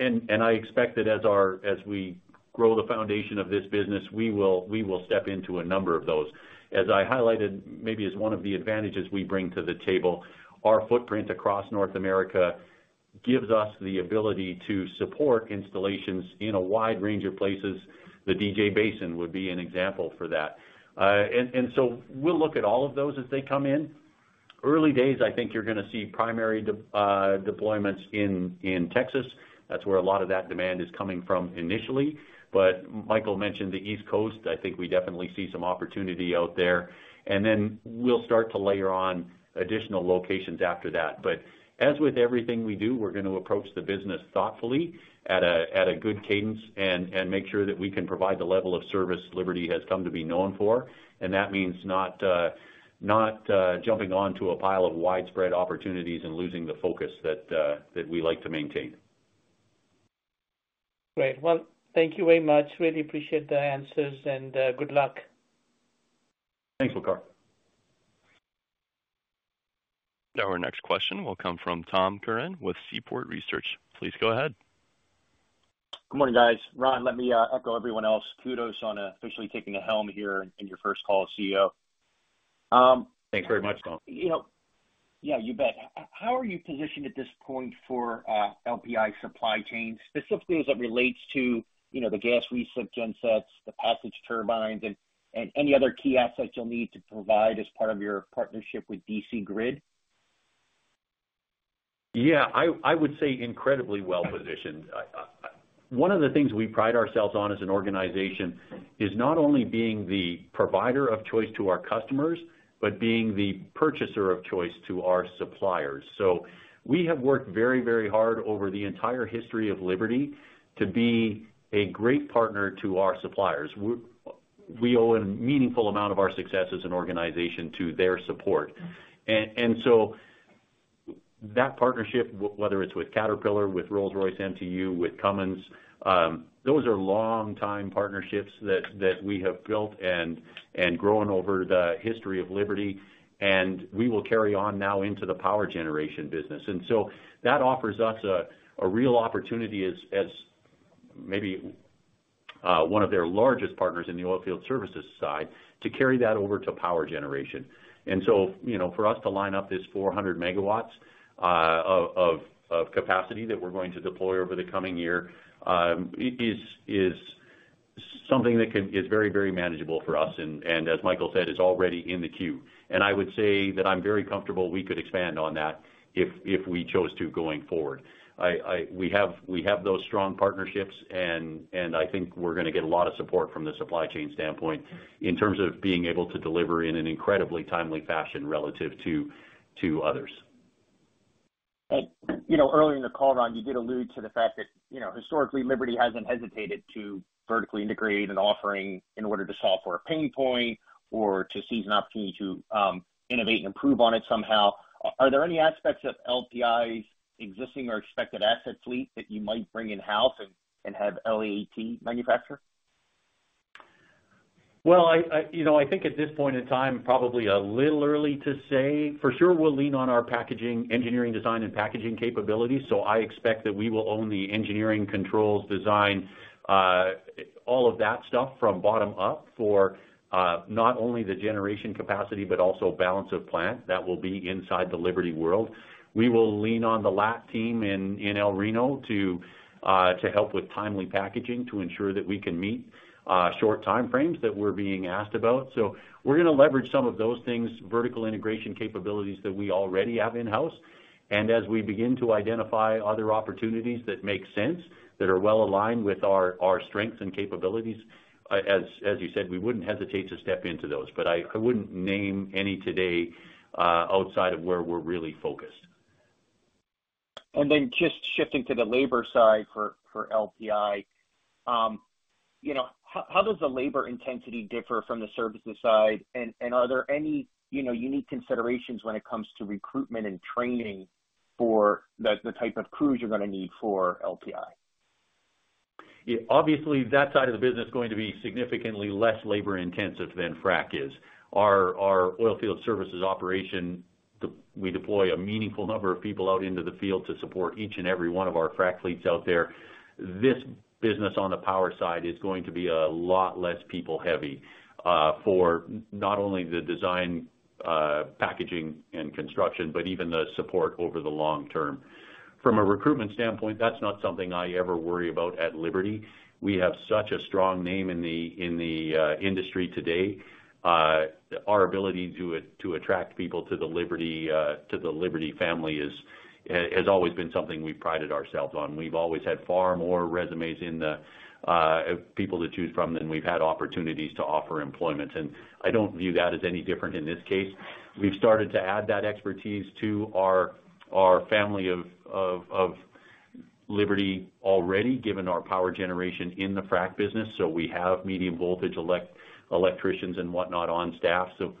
Speaker 3: And I expect that as we grow the foundation of this business, we will step into a number of those. As I highlighted, maybe as one of the advantages we bring to the table, our footprint across North America gives us the ability to support installations in a wide range of places. The DJ Basin would be an example for that, and so we'll look at all of those as they come in. Early days, I think you're going to see primary deployments in Texas. That's where a lot of that demand is coming from initially, but Michael mentioned the East Coast. I think we definitely see some opportunity out there, and then we'll start to layer on additional locations after that, but as with everything we do, we're going to approach the business thoughtfully at a good cadence and make sure that we can provide the level of service Liberty has come to be known for. That means not jumping onto a pile of widespread opportunities and losing the focus that we like to maintain.
Speaker 12: Great. Thank you very much. Really appreciate the answers, and good luck.
Speaker 3: Thanks, Waqar.
Speaker 1: Our next question will come from Tom Curran with Seaport Research. Please go ahead.
Speaker 13: Good morning, guys. Ron, let me echo everyone else. Kudos on officially taking the helm here in your first call, CEO.
Speaker 3: Thanks very much.
Speaker 13: Yeah, you bet. How are you positioned at this point for LPI supply chain, specifically as it relates to the gas reciprocating gen sets, the gas turbines, and any other key assets you'll need to provide as part of your partnership with DC Grid?
Speaker 3: Yeah. I would say incredibly well positioned. One of the things we pride ourselves on as an organization is not only being the provider of choice to our customers, but being the purchaser of choice to our suppliers. So we have worked very, very hard over the entire history of Liberty to be a great partner to our suppliers. We owe a meaningful amount of our success as an organization to their support. And so that partnership, whether it's with Caterpillar, with Rolls-Royce MTU, with Cummins, those are long-time partnerships that we have built and grown over the history of Liberty. And we will carry on now into the power generation business. And so that offers us a real opportunity as maybe one of their largest partners in the oilfield services side to carry that over to power generation. And so for us to line up this 400 MW of capacity that we're going to deploy over the coming year is something that is very, very manageable for us. And as Michael said, it's already in the queue. And I would say that I'm very comfortable we could expand on that if we chose to going forward. We have those strong partnerships, and I think we're going to get a lot of support from the supply chain standpoint in terms of being able to deliver in an incredibly timely fashion relative to others.
Speaker 13: Earlier in the call, Ron, you did allude to the fact that historically, Liberty hasn't hesitated to vertically integrate an offering in order to solve for a pain point or to seize an opportunity to innovate and improve on it somehow. Are there any aspects of LPI's existing or expected asset fleet that you might bring in-house and have LAAT manufacture?
Speaker 3: Well, I think at this point in time, probably a little early to say. For sure, we'll lean on our packaging, engineering design, and packaging capabilities. So I expect that we will own the engineering controls, design, all of that stuff from bottom up for not only the generation capacity, but also balance of plant that will be inside the Liberty world. We will lean on the LAAT team in El Reno to help with timely packaging to ensure that we can meet short timeframes that we're being asked about. So we're going to leverage some of those things, vertical integration capabilities that we already have in-house. And as we begin to identify other opportunities that make sense, that are well aligned with our strengths and capabilities, as you said, we wouldn't hesitate to step into those. But I wouldn't name any today outside of where we're really focused.
Speaker 13: And then just shifting to the labor side for LPI, how does the labor intensity differ from the services side? And are there any unique considerations when it comes to recruitment and training for the type of crews you're going to need for LPI?
Speaker 3: Obviously, that side of the business is going to be significantly less labor-intensive than frac is. Our oilfield services operation, we deploy a meaningful number of people out into the field to support each and every one of our frac fleets out there. This business on the power side is going to be a lot less people-heavy for not only the design, packaging, and construction, but even the support over the long term. From a recruitment standpoint, that's not something I ever worry about at Liberty. We have such a strong name in the industry today. Our ability to attract people to the Liberty family has always been something we've prided ourselves on. We've always had far more resumes in the people to choose from than we've had opportunities to offer employment, and I don't view that as any different in this case. We've started to add that expertise to our family of Liberty already, given our power generation in the frac business, so we have medium-voltage electricians and whatnot on staff. So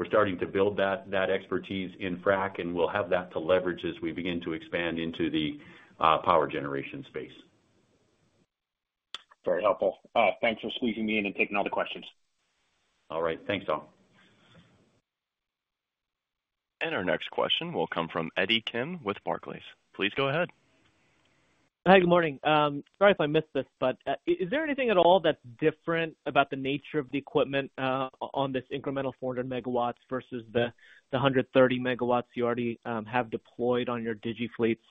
Speaker 3: we're starting to build that expertise in frac, and we'll have that to leverage as we begin to expand into the power generation space.
Speaker 13: Very helpful. Thanks for squeezing me in and taking all the questions.
Speaker 3: All right. Thanks, Tom.
Speaker 1: And our next question will come from Eddie Kim with Barclays. Please go ahead.
Speaker 14: Hi, good morning. Sorry if I missed this, but is there anything at all that's different about the nature of the equipment on this incremental 400 MW versus the 130 MW you already have deployed on your DigiFleet fleets,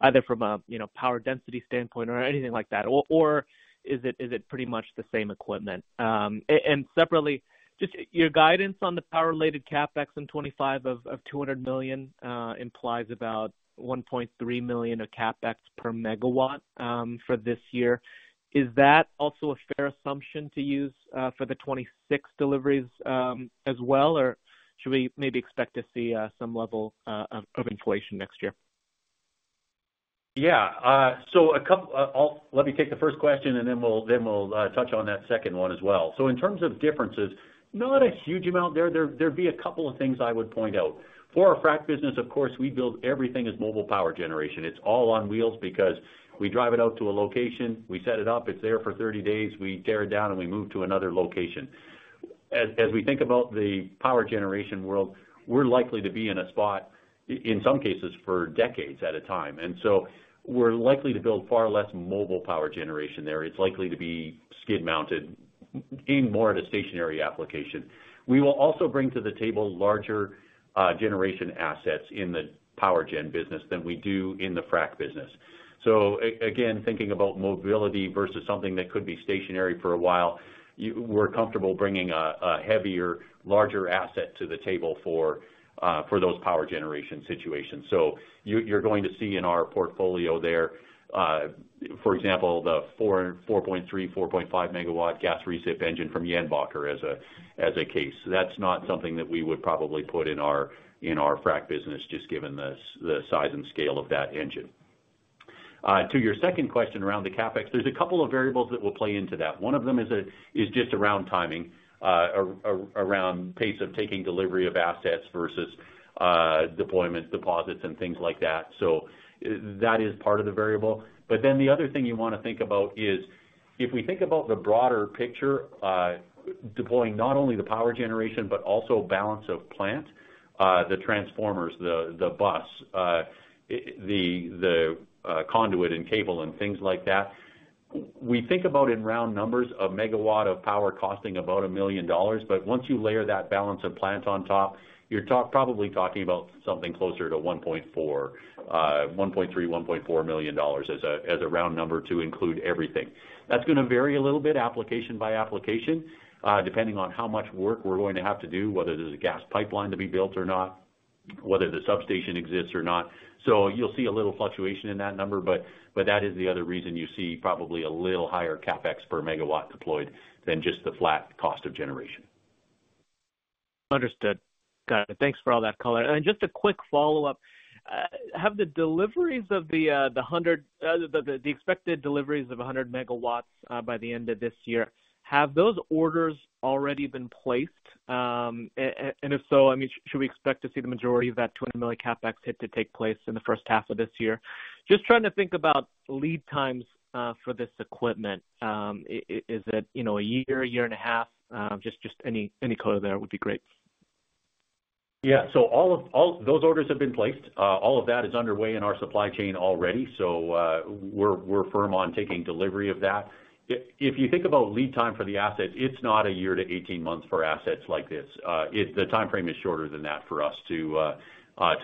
Speaker 14: either from a power density standpoint or anything like that? Or is it pretty much the same equipment? And separately, just your guidance on the power-related CapEx in 2025 of $200 million implies about $1.3 million of CapEx per megawatt for this year. Is that also a fair assumption to use for the 2026 deliveries as well, or should we maybe expect to see some level of inflation next year?
Speaker 3: Yeah. So let me take the first question, and then we'll touch on that second one as well. So in terms of differences, not a huge amount there. There'd be a couple of things I would point out. For our frac business, of course, we build everything as mobile power generation. It's all on wheels because we drive it out to a location, we set it up, it's there for 30 days, we tear it down, and we move to another location. As we think about the power generation world, we're likely to be in a spot in some cases for decades at a time. And so we're likely to build far less mobile power generation there. It's likely to be skid-mounted, aimed more at a stationary application. We will also bring to the table larger generation assets in the power gen business than we do in the frac business. So again, thinking about mobility versus something that could be stationary for a while, we're comfortable bringing a heavier, larger asset to the table for those power generation situations. So you're going to see in our portfolio there, for example, the 4.3-4.5 MW reciprocating engine from Jenbacher as a case. That's not something that we would probably put in our frac business, just given the size and scale of that engine. To your second question around the CapEx, there's a couple of variables that will play into that. One of them is just around timing, around pace of taking delivery of assets versus deployment deposits and things like that. So that is part of the variable. But then the other thing you want to think about is, if we think about the broader picture, deploying not only the power generation, but also balance of plant, the transformers, the bus, the conduit and cable, and things like that. We think about in round numbers a megawatt of power costing about $1 million. But once you layer that balance of plant on top, you're probably talking about something closer to $1.3 to 1.4 million as a round number to include everything. That's going to vary a little bit application by application, depending on how much work we're going to have to do, whether there's a gas pipeline to be built or not, whether the substation exists or not. So you'll see a little fluctuation in that number. But that is the other reason you see probably a little higher CapEx per megawatt deployed than just the flat cost of generation.
Speaker 14: Understood. Got it. Thanks for all that color. And just a quick follow-up. Have the deliveries of the expected deliveries of 100 MW by the end of this year, have those orders already been placed? And if so, I mean, should we expect to see the majority of that $200 million CapEx hit to take place in the first half of this year? Just trying to think about lead times for this equipment. Is it a year, year and a half? Just any color there would be great.
Speaker 3: Yeah. So those orders have been placed. All of that is underway in our supply chain already. So we're firm on taking delivery of that. If you think about lead time for the assets, it's not a year to 18 months for assets like this. The timeframe is shorter than that for us to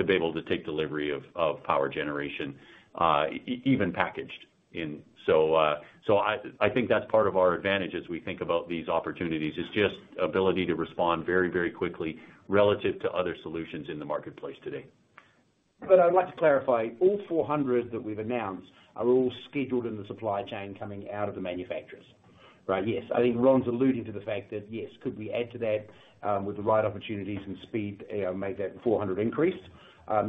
Speaker 3: be able to take delivery of power generation, even packaged. So I think that's part of our advantage as we think about these opportunities is just ability to respond very, very quickly relative to other solutions in the marketplace today.
Speaker 4: But I'd like to clarify, all 400 MW that we've announced are all scheduled in the supply chain coming out of the manufacturers, right? Yes. I think Ron's alluding to the fact that, yes, could we add to that with the right opportunities and speed make that 400 MW increase?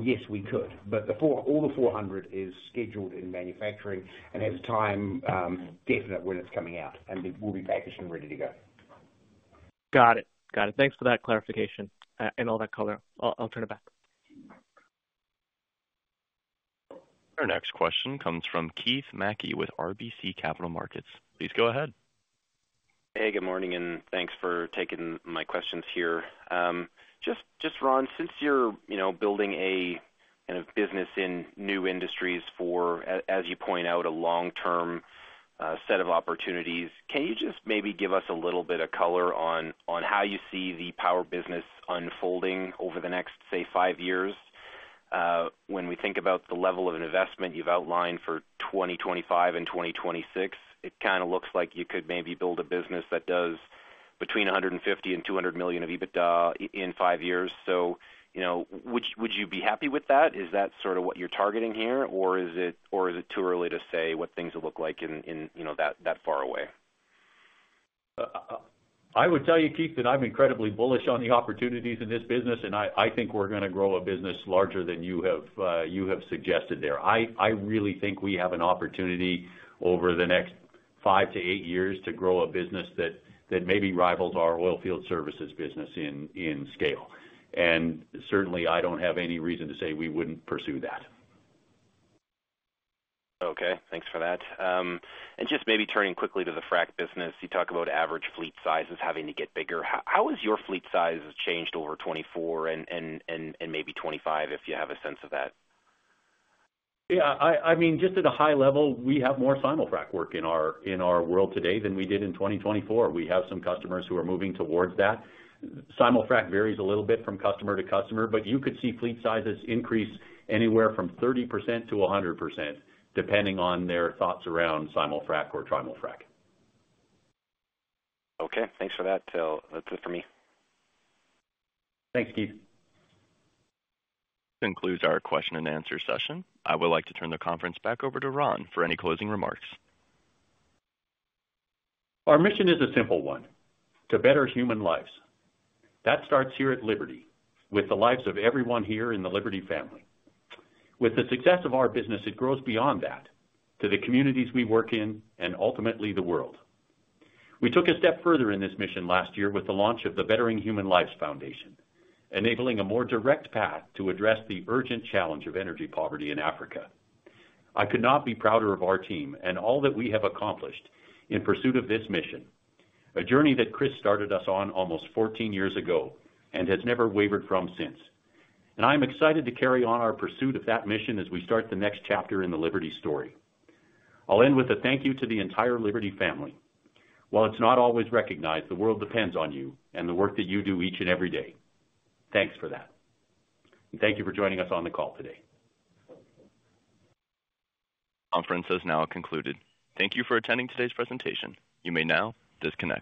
Speaker 4: Yes, we could. But all the 400 MW is scheduled in manufacturing and has time definite when it's coming out, and it will be packaged and ready to go.
Speaker 14: Got it. Got it. Thanks for that clarification and all that color. I'll turn it back.
Speaker 1: Our next question comes from Keith Mackey with RBC Capital Markets. Please go ahead.
Speaker 15: Hey, good morning, and thanks for taking my questions here. Just, Ron, since you're building a kind of business in new industries for, as you point out, a long-term set of opportunities, can you just maybe give us a little bit of color on how you see the power business unfolding over the next, say, five years? When we think about the level of investment you've outlined for 2025 and 2026, it kind of looks like you could maybe build a business that does between $150 million and $200 million of EBITDA in five years. So would you be happy with that? Is that sort of what you're targeting here, or is it too early to say what things will look like that far away?
Speaker 3: I would tell you, Keith, that I'm incredibly bullish on the opportunities in this business, and I think we're going to grow a business larger than you have suggested there. I really think we have an opportunity over the next five to eight years to grow a business that maybe rivals our oilfield services business in scale. And certainly, I don't have any reason to say we wouldn't pursue that.
Speaker 15: Okay. Thanks for that. And just maybe turning quickly to the frac business, you talk about average fleet sizes having to get bigger. How has your fleet size changed over 2024 and maybe 2025, if you have a sense of that?
Speaker 3: Yeah. I mean, just at a high level, we have more Simul-Frac work in our world today than we did in 2024. We have some customers who are moving towards that. Simul-Frac varies a little bit from customer to customer, but you could see fleet sizes increase anywhere from 30% to 100%, depending on their thoughts around Simul-Frac or Trimul-Frac.
Speaker 15: Okay. Thanks for that. That's it for me.
Speaker 3: Thanks, Keith.
Speaker 1: That concludes our question and answer session. I would like to turn the conference back over to Ron for any closing remarks.
Speaker 3: Our mission is a simple one: to better human lives. That starts here at Liberty with the lives of everyone here in the Liberty family. With the success of our business, it grows beyond that to the communities we work in and ultimately the world. We took a step further in this mission last year with the launch of the Veteran Human Lives Foundation, enabling a more direct path to address the urgent challenge of energy poverty in Africa. I could not be prouder of our team and all that we have accomplished in pursuit of this mission, a journey that Chris started us on almost 14 years ago and has never wavered from since. And I'm excited to carry on our pursuit of that mission as we start the next chapter in the Liberty story. I'll end with a thank you to the entire Liberty family. While it's not always recognized, the world depends on you and the work that you do each and every day. Thanks for that. And thank you for joining us on the call today.
Speaker 1: Conference is now concluded. Thank you for attending today's presentation. You may now disconnect.